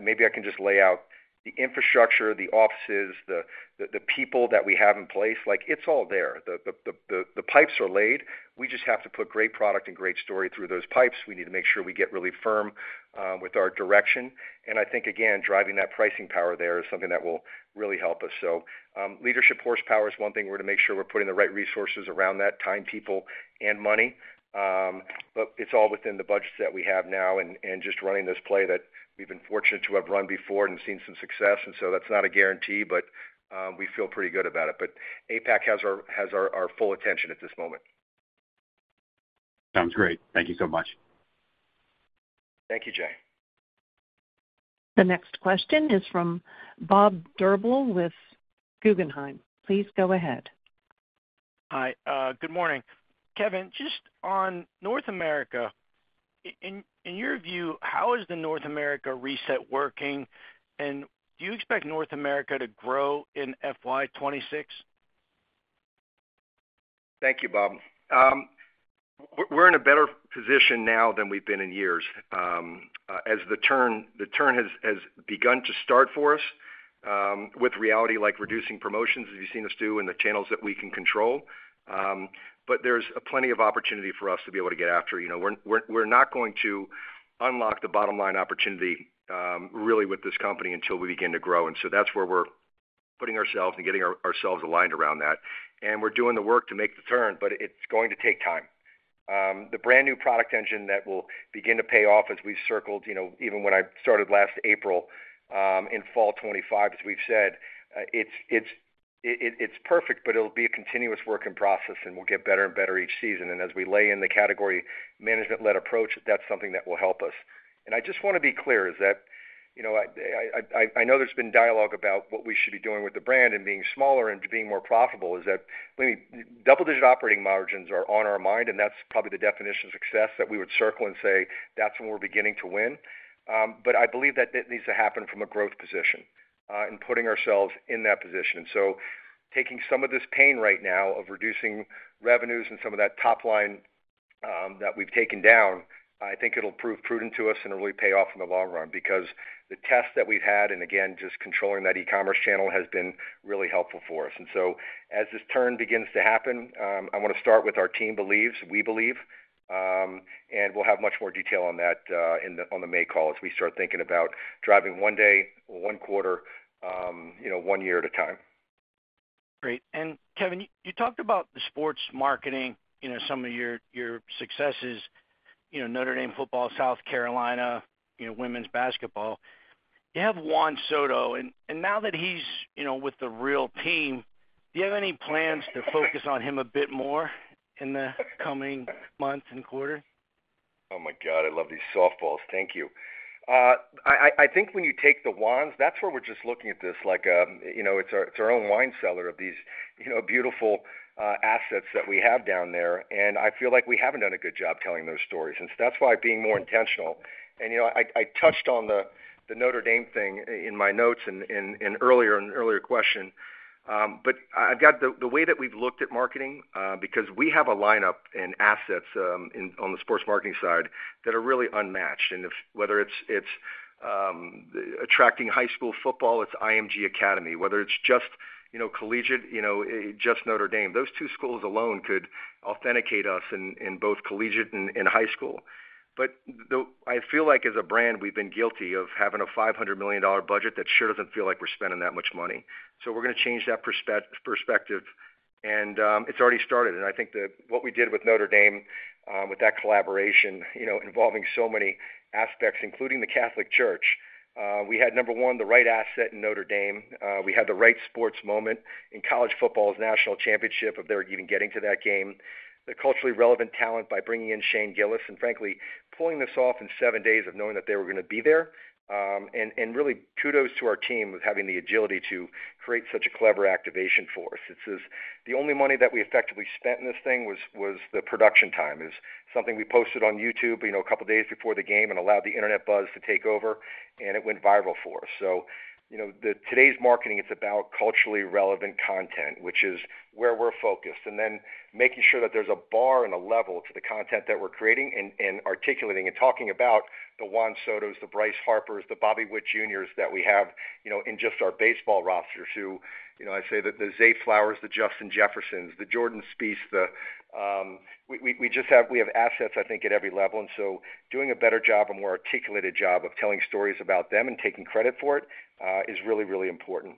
Maybe I can just lay out the infrastructure, the offices, the people that we have in place. It's all there. The pipes are laid. We just have to put great product and great story through those pipes. We need to make sure we get really firm with our direction, and I think, again, driving that pricing power there is something that will really help us, so leadership horsepower is one thing we're going to make sure we're putting the right resources around that, time people and money, but it's all within the budgets that we have now and just running this play that we've been fortunate to have run before and seen some success. And so that's not a guarantee, but we feel pretty good about it. But APAC has our full attention at this moment. Sounds great. Thank you so much. Thank you, Jay. The next question is from Bob Drbul with Guggenheim. Please go ahead. Hi. Good morning. Kevin, just on North America, in your view, how is the North America reset working, and do you expect North America to grow in FY26? Thank you, Bob. We're in a better position now than we've been in years. As the turn has begun to start for us with retail like reducing promotions, as you've seen us do, and the channels that we can control. But there's plenty of opportunity for us to be able to get after. We're not going to unlock the bottom line opportunity really with this company until we begin to grow. And so that's where we're putting ourselves and getting ourselves aligned around that. And we're doing the work to make the turn, but it's going to take time. The brand new product engine that will begin to pay off as we've circled, even when I started last April in fall 2025, as we've said, it's perfect, but it'll be a continuous work in process, and we'll get better and better each season. And as we lay in the category management-led approach, that's something that will help us. And I just want to be clear, that is, I know there's been dialogue about what we should be doing with the brand and being smaller and being more profitable, that is, double-digit operating margins are on our mind, and that's probably the definition of success that we would circle and say, "That's when we're beginning to win." But I believe that needs to happen from a growth position and putting ourselves in that position. And so taking some of this pain right now of reducing revenues and some of that top line that we've taken down, I think it'll prove prudent to us and really pay off in the long run because the test that we've had and, again, just controlling that e-commerce channel has been really helpful for us. And so as this turn begins to happen, I want to start with our team believes, we believe, and we'll have much more detail on that on the May call as we start thinking about driving one day or one quarter, one year at a time. Great. And Kevin, you talked about the sports marketing, some of your successes, Notre Dame Football, South Carolina, women's basketball. You have Juan Soto, and now that he's with the real team, do you have any plans to focus on him a bit more in the coming month and quarter? Oh my God, I love these softballs. Thank you. I think when you take the Juan's, that's where we're just looking at this like it's our own wine cellar of these beautiful assets that we have down there. And I feel like we haven't done a good job telling those stories. And so that's why being more intentional. And I touched on the Notre Dame thing in my notes in an earlier question. But I've got the way that we've looked at marketing because we have a lineup and assets on the sports marketing side that are really unmatched. And whether it's attracting high school football, it's IMG Academy. Whether it's just collegiate, just Notre Dame. Those two schools alone could authenticate us in both collegiate and high school. But I feel like as a brand, we've been guilty of having a $500 million budget that sure doesn't feel like we're spending that much money. So we're going to change that perspective. And it's already started. And I think that what we did with Notre Dame, with that collaboration involving so many aspects, including the Catholic Church, we had, number one, the right asset in Notre Dame. We had the right sports moment in college football's national championship of their even getting to that game. The culturally relevant talent by bringing in Shane Gillis and, frankly, pulling this off in seven days of knowing that they were going to be there, and really, kudos to our team with having the agility to create such a clever activation for us. The only money that we effectively spent in this thing was the production time. It's something we posted on YouTube a couple of days before the game and allowed the internet buzz to take over, and it went viral for us, so today's marketing, it's about culturally relevant content, which is where we're focused. And then making sure that there's a bar and a level to the content that we're creating and articulating and talking about the Juan Soto, the Bryce Harper, the Bobby Witt Jr.s that we have in just our baseball rosters, who I say that the Zay Flowers, the Justin Jefferson, the Jordan Spieth, we just have assets, I think, at every level. And so doing a better job, a more articulated job of telling stories about them and taking credit for it is really, really important.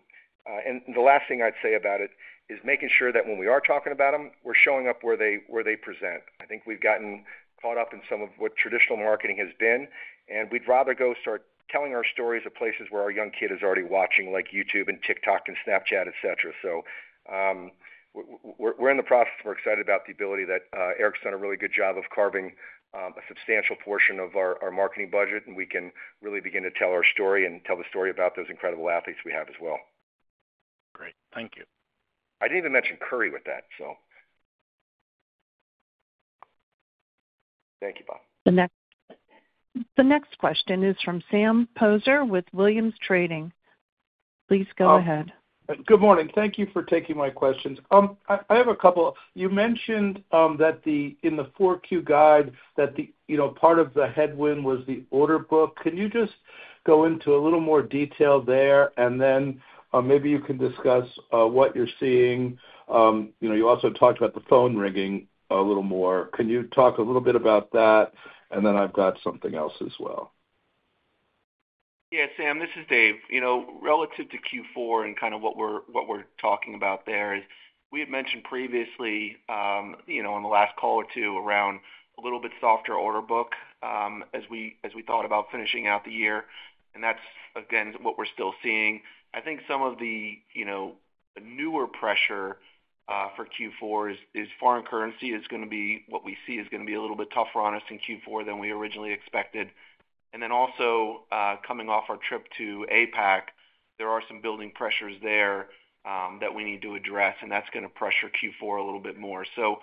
And the last thing I'd say about it is making sure that when we are talking about them, we're showing up where they present. I think we've gotten caught up in some of what traditional marketing has been, and we'd rather go start telling our stories of places where our young kid is already watching like YouTube and TikTok and Snapchat, etc. So we're in the process. We're excited about the ability that Eric's done a really good job of carving a substantial portion of our marketing budget, and we can really begin to tell our story and tell the story about those incredible athletes we have as well. Great. Thank you. I didn't even mention Curry with that, so. Thank you, Bob. The next question is from Sam Poser with Williams Trading. Please go ahead. Good morning. Thank you for taking my questions. I have a couple of you mentioned that in the 4Q guide, that part of the headwind was the order book. Can you just go into a little more detail there? And then maybe you can discuss what you're seeing. You also talked about the phone ringing a little more. Can you talk a little bit about that? And then I've got something else as well. Yeah, Sam, this is Dave. Relative to Q4 and kind of what we're talking about there, we had mentioned previously on the last call or two around a little bit softer order book as we thought about finishing out the year, and that's, again, what we're still seeing. I think some of the newer pressure for Q4 is foreign currency, which is going to be a little bit tougher on us in Q4 than we originally expected, and then also coming off our trip to APAC, there are some building pressures there that we need to address, and that's going to pressure Q4 a little bit more, so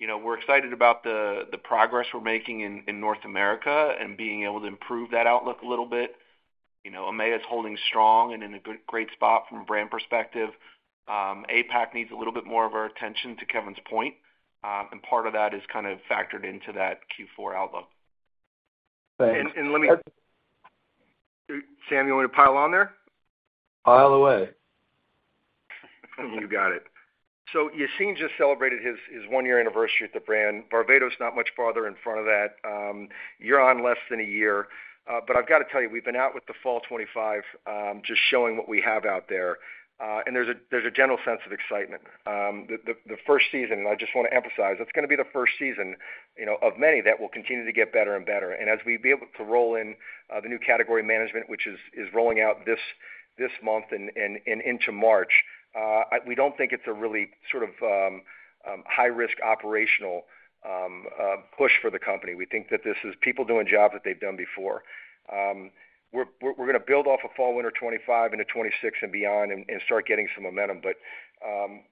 we're excited about the progress we're making in North America and being able to improve that outlook a little bit. EMEA is holding strong and in a great spot from a brand perspective. APAC needs a little bit more of our attention, to Kevin's point. Sam, you want me to pile on there? Pile away. You got it. So Yassine just celebrated his one-year anniversary at the brand. Baratto is not much farther in front of that. You're on less than a year. But I've got to tell you, we've been out with the fall '25 just showing what we have out there. And there's a general sense of excitement. The first season, and I just want to emphasize, it's going to be the first season of many that will continue to get better and better. And as we be able to roll in the new category management, which is rolling out this month and into March, we don't think it's a really sort of high-risk operational push for the company. We think that this is people doing jobs that they've done before. We're going to build off of fall, winter 2025 into 2026 and beyond and start getting some momentum. But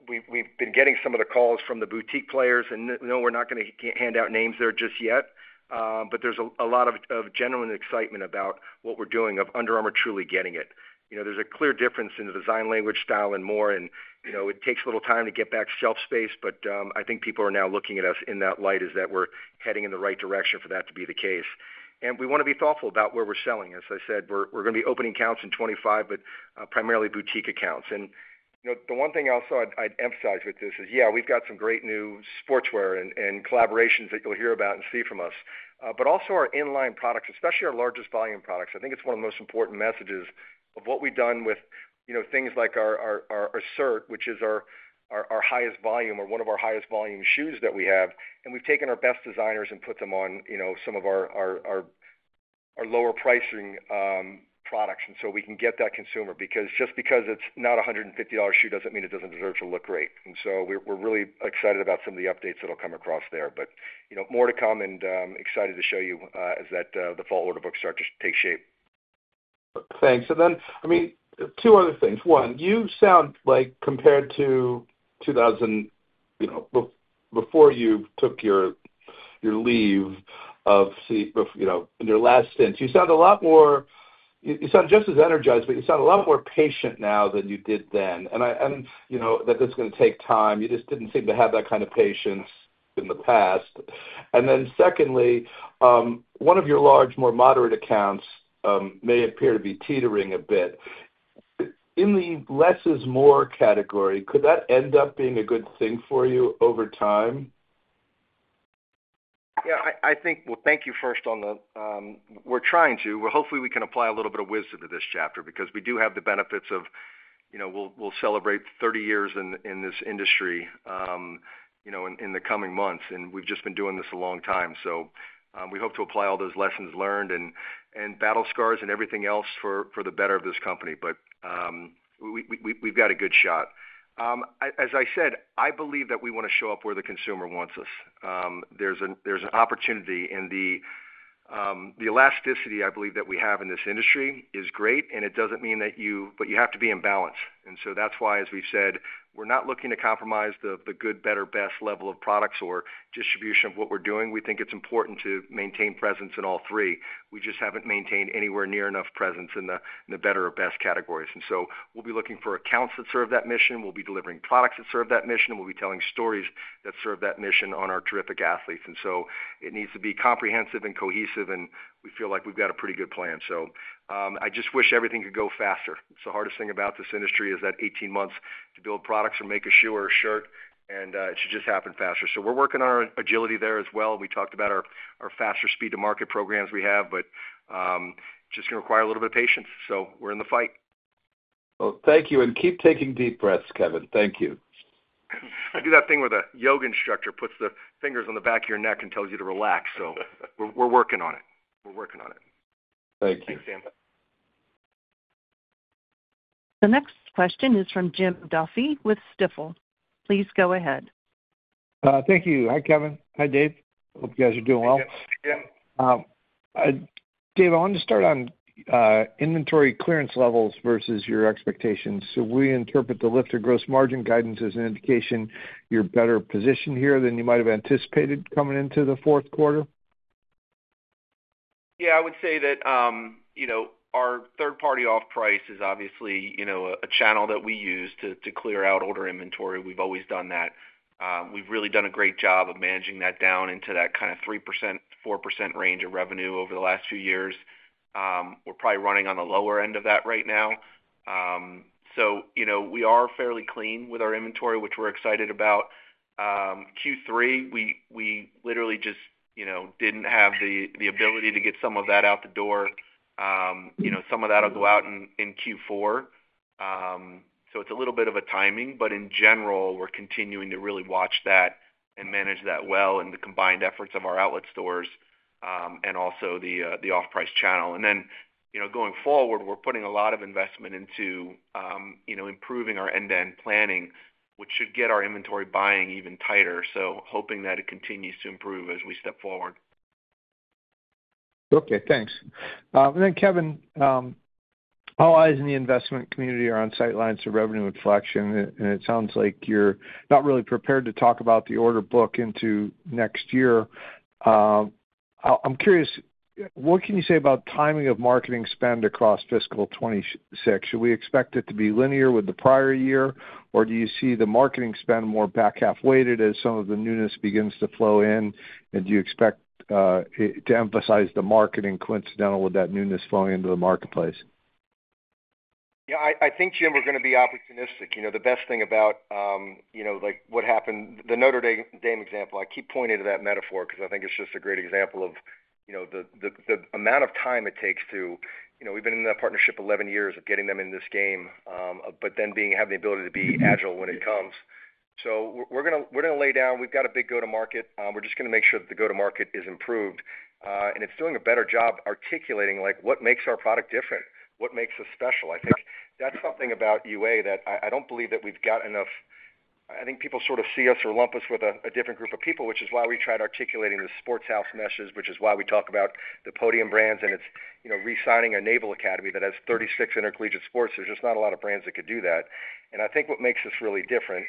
we've been getting some of the calls from the boutique players, and we're not going to hand out names there just yet. But there's a lot of genuine excitement about what we're doing of Under Armour truly getting it. There's a clear difference in the design language, style, and more. It takes a little time to get back shelf space, but I think people are now looking at us in that light as that we're heading in the right direction for that to be the case. We want to be thoughtful about where we're selling. As I said, we're going to be opening accounts in 2025, but primarily boutique accounts. The one thing I also I'd emphasize with this is, yeah, we've got some great new sportswear and collaborations that you'll hear about and see from us. But also our inline products, especially our largest volume products. I think it's one of the most important messages of what we've done with things like our Assert, which is our highest volume or one of our highest volume shoes that we have. We've taken our best designers and put them on some of our lower pricing products so we can get that consumer. Because just because it's not a $150 shoe doesn't mean it doesn't deserve to look great. And so we're really excited about some of the updates that will come across there. But more to come and excited to show you as the fall order book starts to take shape. Thanks. And then, I mean, two other things. One, you sound like compared to before you took your leave of in your last stint, you sound a lot more just as energized, but you sound a lot more patient now than you did then. And that this is going to take time. You just didn't seem to have that kind of patience in the past. And then secondly, one of your large, more moderate accounts may appear to be teetering a bit. In the less is more category, could that end up being a good thing for you over time? Yeah. I think, well, thank you first on the we're trying to. Hopefully, we can apply a little bit of wisdom to this chapter because we do have the benefits of we'll celebrate 30 years in this industry in the coming months. And we've just been doing this a long time. So we hope to apply all those lessons learned and battle scars and everything else for the better of this company. But we've got a good shot. As I said, I believe that we want to show up where the consumer wants us. There's an opportunity in the elasticity, I believe, that we have in this industry is great. And it doesn't mean that, but you have to be in balance. And so that's why, as we've said, we're not looking to compromise the good, better, best level of products or distribution of what we're doing. We think it's important to maintain presence in all three. We just haven't maintained anywhere near enough presence in the better or best categories. And so we'll be looking for accounts that serve that mission. We'll be delivering products that serve that mission. We'll be telling stories that serve that mission on our terrific athletes. And so it needs to be comprehensive and cohesive. And we feel like we've got a pretty good plan. So I just wish everything could go faster. It's the hardest thing about this industry is that 18 months to build products or make a shoe or a shirt. And it should just happen faster. So we're working on our agility there as well. We talked about our faster speed to market programs we have, but it's just going to require a little bit of patience. So we're in the fight. Well, thank you. And keep taking deep breaths, Kevin. Thank you. I do that thing where the yoga instructor puts the fingers on the back of your neck and tells you to relax. So we're working on it. We're working on it. Thank you. Thanks, Sam. The next question is from Jim Duffy with Stifel. Please go ahead. Thank you. Hi, Kevin. Hi, Dave. Hope you guys are doing well. Dave, I wanted to start on inventory clearance levels versus your expectations. So we interpret the lifted gross margin guidance as an indication you're better positioned here than you might have anticipated coming into the fourth quarter? Yeah. I would say that our third-party off-price is obviously a channel that we use to clear out older inventory. We've always done that. We've really done a great job of managing that down into that kind of 3%, 4% range of revenue over the last few years. We're probably running on the lower end of that right now. So we are fairly clean with our inventory, which we're excited about. Q3, we literally just didn't have the ability to get some of that out the door. Some of that will go out in Q4. So it's a little bit of a timing. But in general, we're continuing to really watch that and manage that well in the combined efforts of our outlet stores and also the off-price channel. And then going forward, we're putting a lot of investment into improving our end-to-end planning, which should get our inventory buying even tighter. So hoping that it continues to improve as we step forward. Okay. Thanks. And then, Kevin, all eyes in the investment community are on line of sight to revenue inflection. And it sounds like you're not really prepared to talk about the order book into next year. I'm curious. What can you say about timing of marketing spend across fiscal 2026? Should we expect it to be linear with the prior year, or do you see the marketing spend more back-half weighted as some of the newness begins to flow in? And do you expect to emphasize the marketing coincidental with that newness flowing into the marketplace? Yeah. I think, Jim, we're going to be opportunistic. The best thing about what happened, the Notre Dame example, I keep pointing to that metaphor because I think it's just a great example of the amount of time it takes. We've been in that partnership 11 years of getting them in this game, but then having the ability to be agile when it comes. So we're going to lay down. We've got a big go-to-market. We're just going to make sure that the go-to-market is improved. And it's doing a better job articulating what makes our product different, what makes us special. I think that's something about UA that I don't believe that we've got enough. I think people sort of see us or lump us with a different group of people, which is why we tried articulating the sports house message, which is why we talk about the podium brands. It's re-signing the Naval Academy that has 36 intercollegiate sports. There's just not a lot of brands that could do that. I think what makes us really different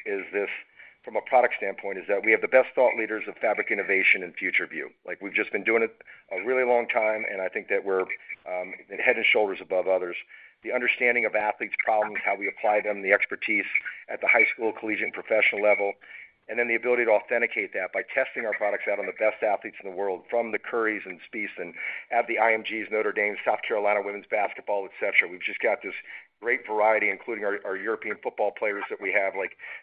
from a product standpoint is that we have the best thought leaders in fabric innovation and footwear. We've just been doing it a really long time, and I think that we're head and shoulders above others. The understanding of athletes' problems, how we apply them, the expertise at the high school, collegiate, and professional level, and then the ability to authenticate that by testing our products out on the best athletes in the world from the Currys and Spieths and at the IMGs, Notre Dames, South Carolina women's basketball, etc. We've just got this great variety, including our European football players that we have.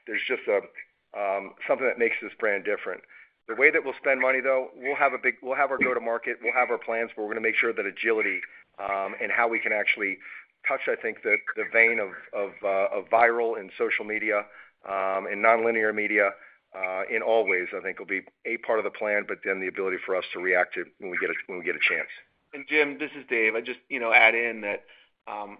There's just something that makes this brand different. The way that we'll spend money, though, we'll have our go-to-market. We'll have our plans where we're going to make sure that agility and how we can actually touch, I think, the vein of viral and social media and non-linear media in all ways, I think, will be a part of the plan, but then the ability for us to react when we get a chance. And Jim, this is Dave. I just add in that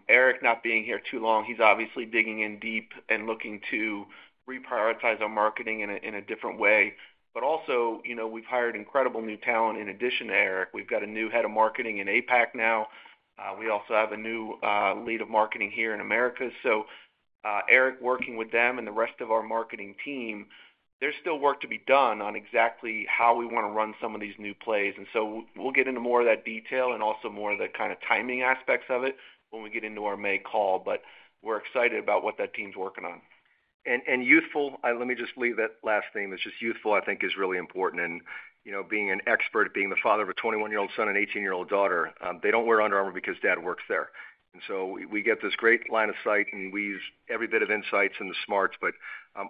Eric not being here too long, he's obviously digging in deep and looking to reprioritize our marketing in a different way. But also, we've hired incredible new talent in addition to Eric. We've got a new head of marketing in APAC now. We also have a new lead of marketing here in America. So, Eric, working with them and the rest of our marketing team, there's still work to be done on exactly how we want to run some of these new plays. We'll get into more of that detail and also more of the kind of timing aspects of it when we get into our May call. We're excited about what that team's working on. Youthful, let me just leave that last thing. It's just youthful, I think, is really important. Being an expert, being the father of a 21-year-old son and 18-year-old daughter, they don't wear Under Armour because Dad works there. We get this great line of sight, and we use every bit of insights and the smarts, but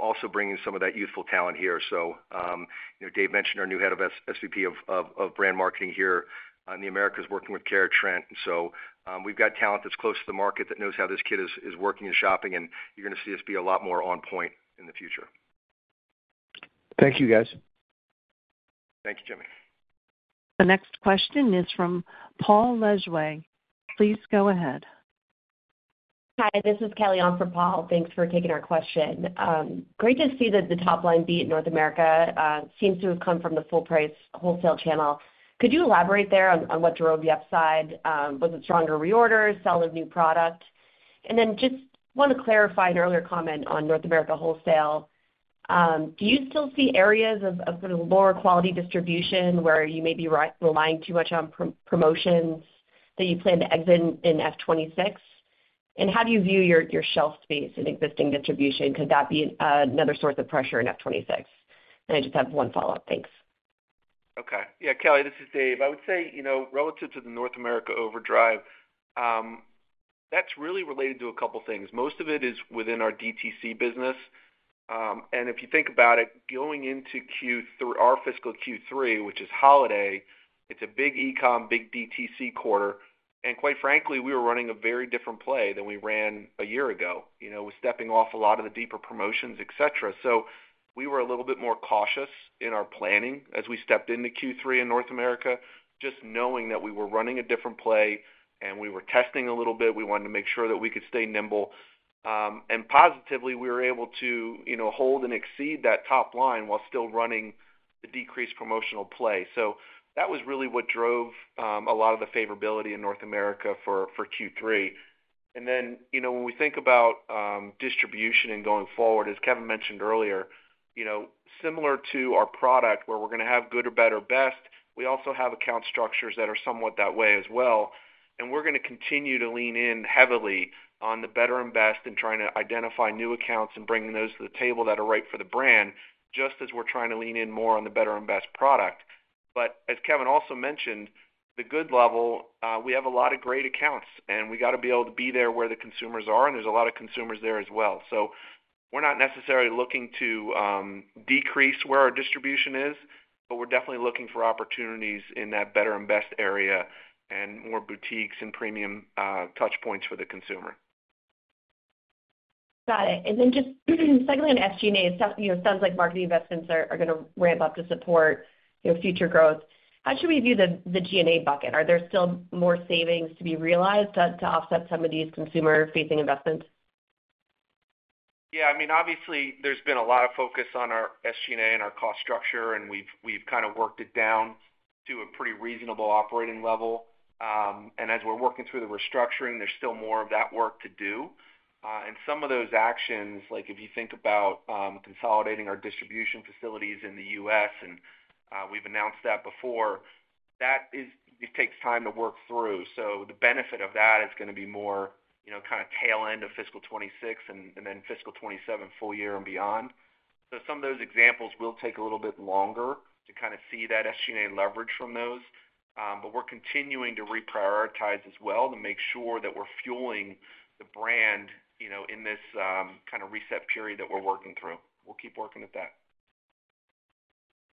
also bringing some of that youthful talent here. So Dave mentioned our new head of SVP of brand marketing here in the Americas working with Kara Trent. And so we've got talent that's close to the market that knows how this kid is working and shopping. And you're going to see us be a lot more on point in the future. Thank you, guys. Thank you, Jimmy. The next question is from Paul Lejuez. Please go ahead. Hi. This is Kelly on for Paul. Thanks for taking our question. Great to see that the top line beat in North America seems to have come from the full-price wholesale channel. Could you elaborate there on what drove the upside? Was it stronger reorders, selling new product? And then just want to clarify an earlier comment on North America wholesale. Do you still see areas of sort of lower quality distribution where you may be relying too much on promotions that you plan to exit in F26? And how do you view your shelf space in existing distribution? Could that be another source of pressure in F26? And I just have one follow-up. Thanks. Okay. Yeah. Kelly, this is Dave. I would say relative to the North America overdrive, that's really related to a couple of things. Most of it is within our DTC business. And if you think about it, going into our fiscal Q3, which is holiday, it's a big e-com, big DTC quarter. And quite frankly, we were running a very different play than we ran a year ago. We're stepping off a lot of the deeper promotions, etc. So we were a little bit more cautious in our planning as we stepped into Q3 in North America, just knowing that we were running a different play and we were testing a little bit. We wanted to make sure that we could stay nimble, and positively, we were able to hold and exceed that top line while still running the decreased promotional play, so that was really what drove a lot of the favorability in North America for Q3, and then when we think about distribution and going forward, as Kevin mentioned earlier, similar to our product where we're going to have good or better best, we also have account structures that are somewhat that way as well. And we're going to continue to lean in heavily on the better and best and trying to identify new accounts and bringing those to the table that are right for the brand, just as we're trying to lean in more on the better and best product. But as Kevin also mentioned, the good level, we have a lot of great accounts, and we got to be able to be there where the consumers are. And there's a lot of consumers there as well. So we're not necessarily looking to decrease where our distribution is, but we're definitely looking for opportunities in that better and best area and more boutiques and premium touch points for the consumer. Got it. And then just secondly, on SG&A, it sounds like marketing investments are going to ramp up to support future growth. How should we view the G&A bucket? Are there still more savings to be realized to offset some of these consumer-facing investments? Yeah. I mean, obviously, there's been a lot of focus on our SG&A and our cost structure, and we've kind of worked it down to a pretty reasonable operating level. And as we're working through the restructuring, there's still more of that work to do. And some of those actions, like if you think about consolidating our distribution facilities in the U.S., and we've announced that before, that takes time to work through. So the benefit of that is going to be more kind of tail end of fiscal 2026 and then fiscal 2027 full year and beyond. So some of those examples will take a little bit longer to kind of see that SG&A leverage from those. We're continuing to reprioritize as well to make sure that we're fueling the brand in this kind of reset period that we're working through. We'll keep working at that.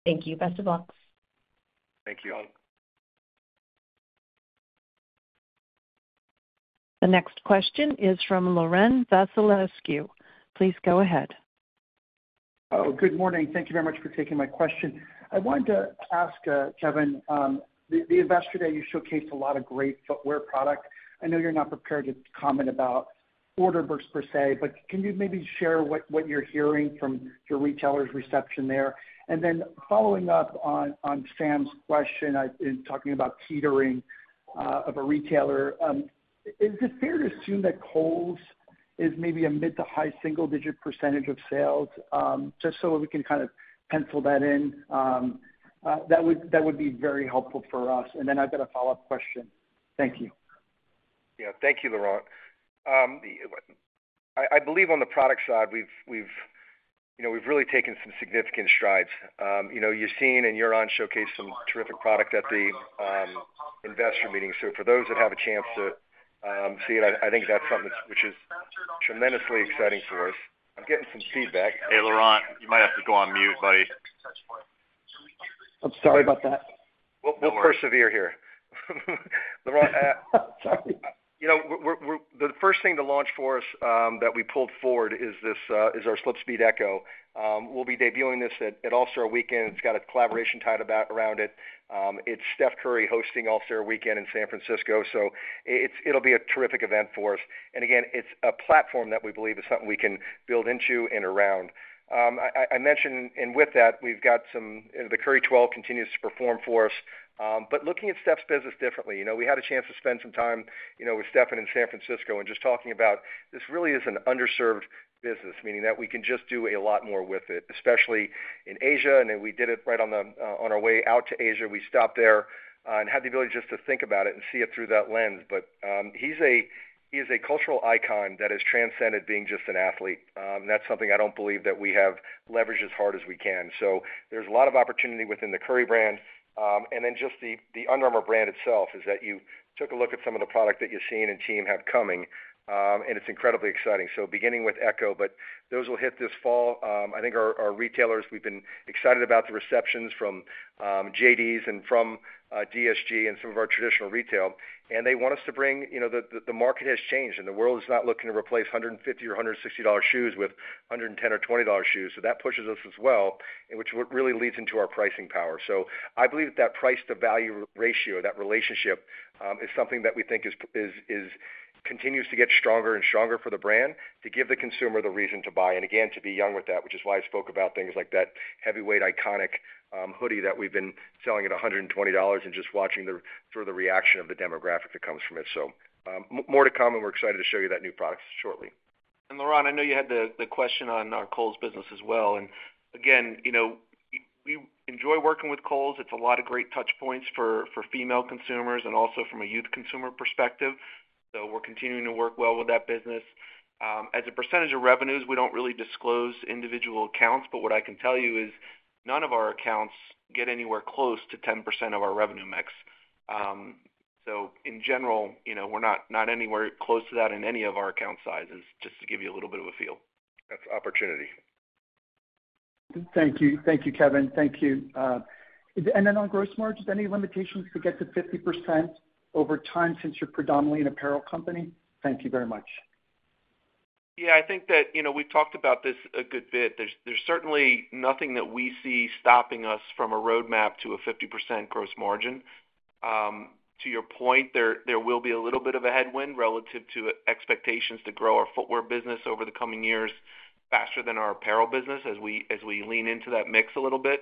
Thank you. Best of luck. Thank you. The next question is from Laurent Vasilescu. Please go ahead. Oh, good morning. Thank you very much for taking my question. I wanted to ask, Kevin, the Investor Day that you showcased a lot of great footwear products. I know you're not prepared to comment about order books per se, but can you maybe share what you're hearing from your retailers' reception there? And then following up on Sam's question and talking about catering of a retailer, is it fair to assume that Kohl's is maybe a mid- to high single-digit % of sales? Just so we can kind of pencil that in, that would be very helpful for us. Then I've got a follow-up question. Thank you. Yeah. Thank you, Laurent. I believe on the product side, we've really taken some significant strides. You're seeing and you're on showcase some terrific product at the investor meeting. So for those that have a chance to see it, I think that's something which is tremendously exciting for us. I'm getting some feedback. Hey, Laurent, you might have to go on mute, buddy. I'm sorry about that. We'll persevere here. Laurent, sorry. The first thing to launch for us that we pulled forward is our SlipSpeed Echo. We'll be debuting this at All-Star Weekend. It's got a collaboration tied around it. It's Steph Curry hosting All-Star Weekend in San Francisco. So it'll be a terrific event for us. And again, it's a platform that we believe is something we can build into and around. I mentioned, and with that, we've got some, the Curry 12 continues to perform for us. But looking at Steph's business differently, we had a chance to spend some time with Stephen in San Francisco and just talking about this really is an underserved business, meaning that we can just do a lot more with it, especially in Asia. And then we did it right on our way out to Asia. We stopped there and had the ability just to think about it and see it through that lens. But he's a cultural icon that has transcended being just an athlete. And that's something I don't believe that we have leveraged as hard as we can. So there's a lot of opportunity within the Curry brand. And then just the Under Armour brand itself is that you took a look at some of the product that you're seeing and team have coming, and it's incredibly exciting. So beginning with Echo, but those will hit this fall. I think our retailers; we've been excited about the receptions from JDs and from DSG and some of our traditional retail. And they want us to bring the market has changed, and the world is not looking to replace $150 or $160-dollar shoes with $110 or $20-dollar shoes. So that pushes us as well, which really leads into our pricing power. So I believe that that price-to-value ratio, that relationship, is something that we think continues to get stronger and stronger for the brand to give the consumer the reason to buy. And again, to be young with that, which is why I spoke about things like that heavyweight iconic hoodie that we've been selling at $120 and just watching sort of the reaction of the demographic that comes from it. So more to come, and we're excited to show you that new product shortly. Laurent, I know you had the question on Kohl's business as well. And again, we enjoy working with Kohl's. It's a lot of great touch points for female consumers and also from a youth consumer perspective. So we're continuing to work well with that business. As a percentage of revenues, we don't really disclose individual accounts, but what I can tell you is none of our accounts get anywhere close to 10% of our revenue mix. So in general, we're not anywhere close to that in any of our account sizes, just to give you a little bit of a feel. That's opportunity. Thank you. Thank you, Kevin. Thank you. And then on gross margins, any limitations to get to 50% over time since you're predominantly an apparel company? Thank you very much. Yeah. I think that we've talked about this a good bit. There's certainly nothing that we see stopping us from a roadmap to a 50% gross margin. To your point, there will be a little bit of a headwind relative to expectations to grow our footwear business over the coming years faster than our apparel business as we lean into that mix a little bit.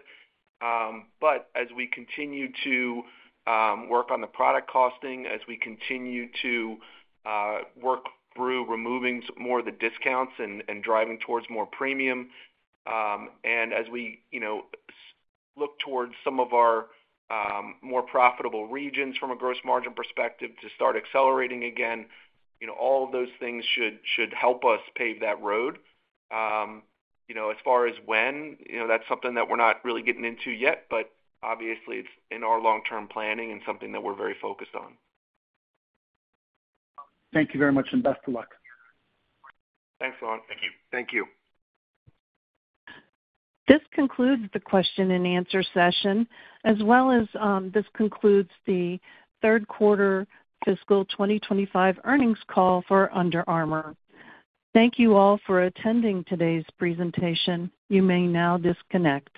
But as we continue to work on the product costing, as we continue to work through removing more of the discounts and driving towards more premium, and as we look towards some of our more profitable regions from a gross margin perspective to start accelerating again, all of those things should help us pave that road. As far as when, that's something that we're not really getting into yet, but obviously, it's in our long-term planning and something that we're very focused on. Thank you very much and best of luck. Thanks, Laurent. Thank you. Thank you. This concludes the question and answer session, as well as this concludes the third quarter fiscal 2025 earnings call for Under Armour. Thank you all for attending today's presentation. You may now disconnect.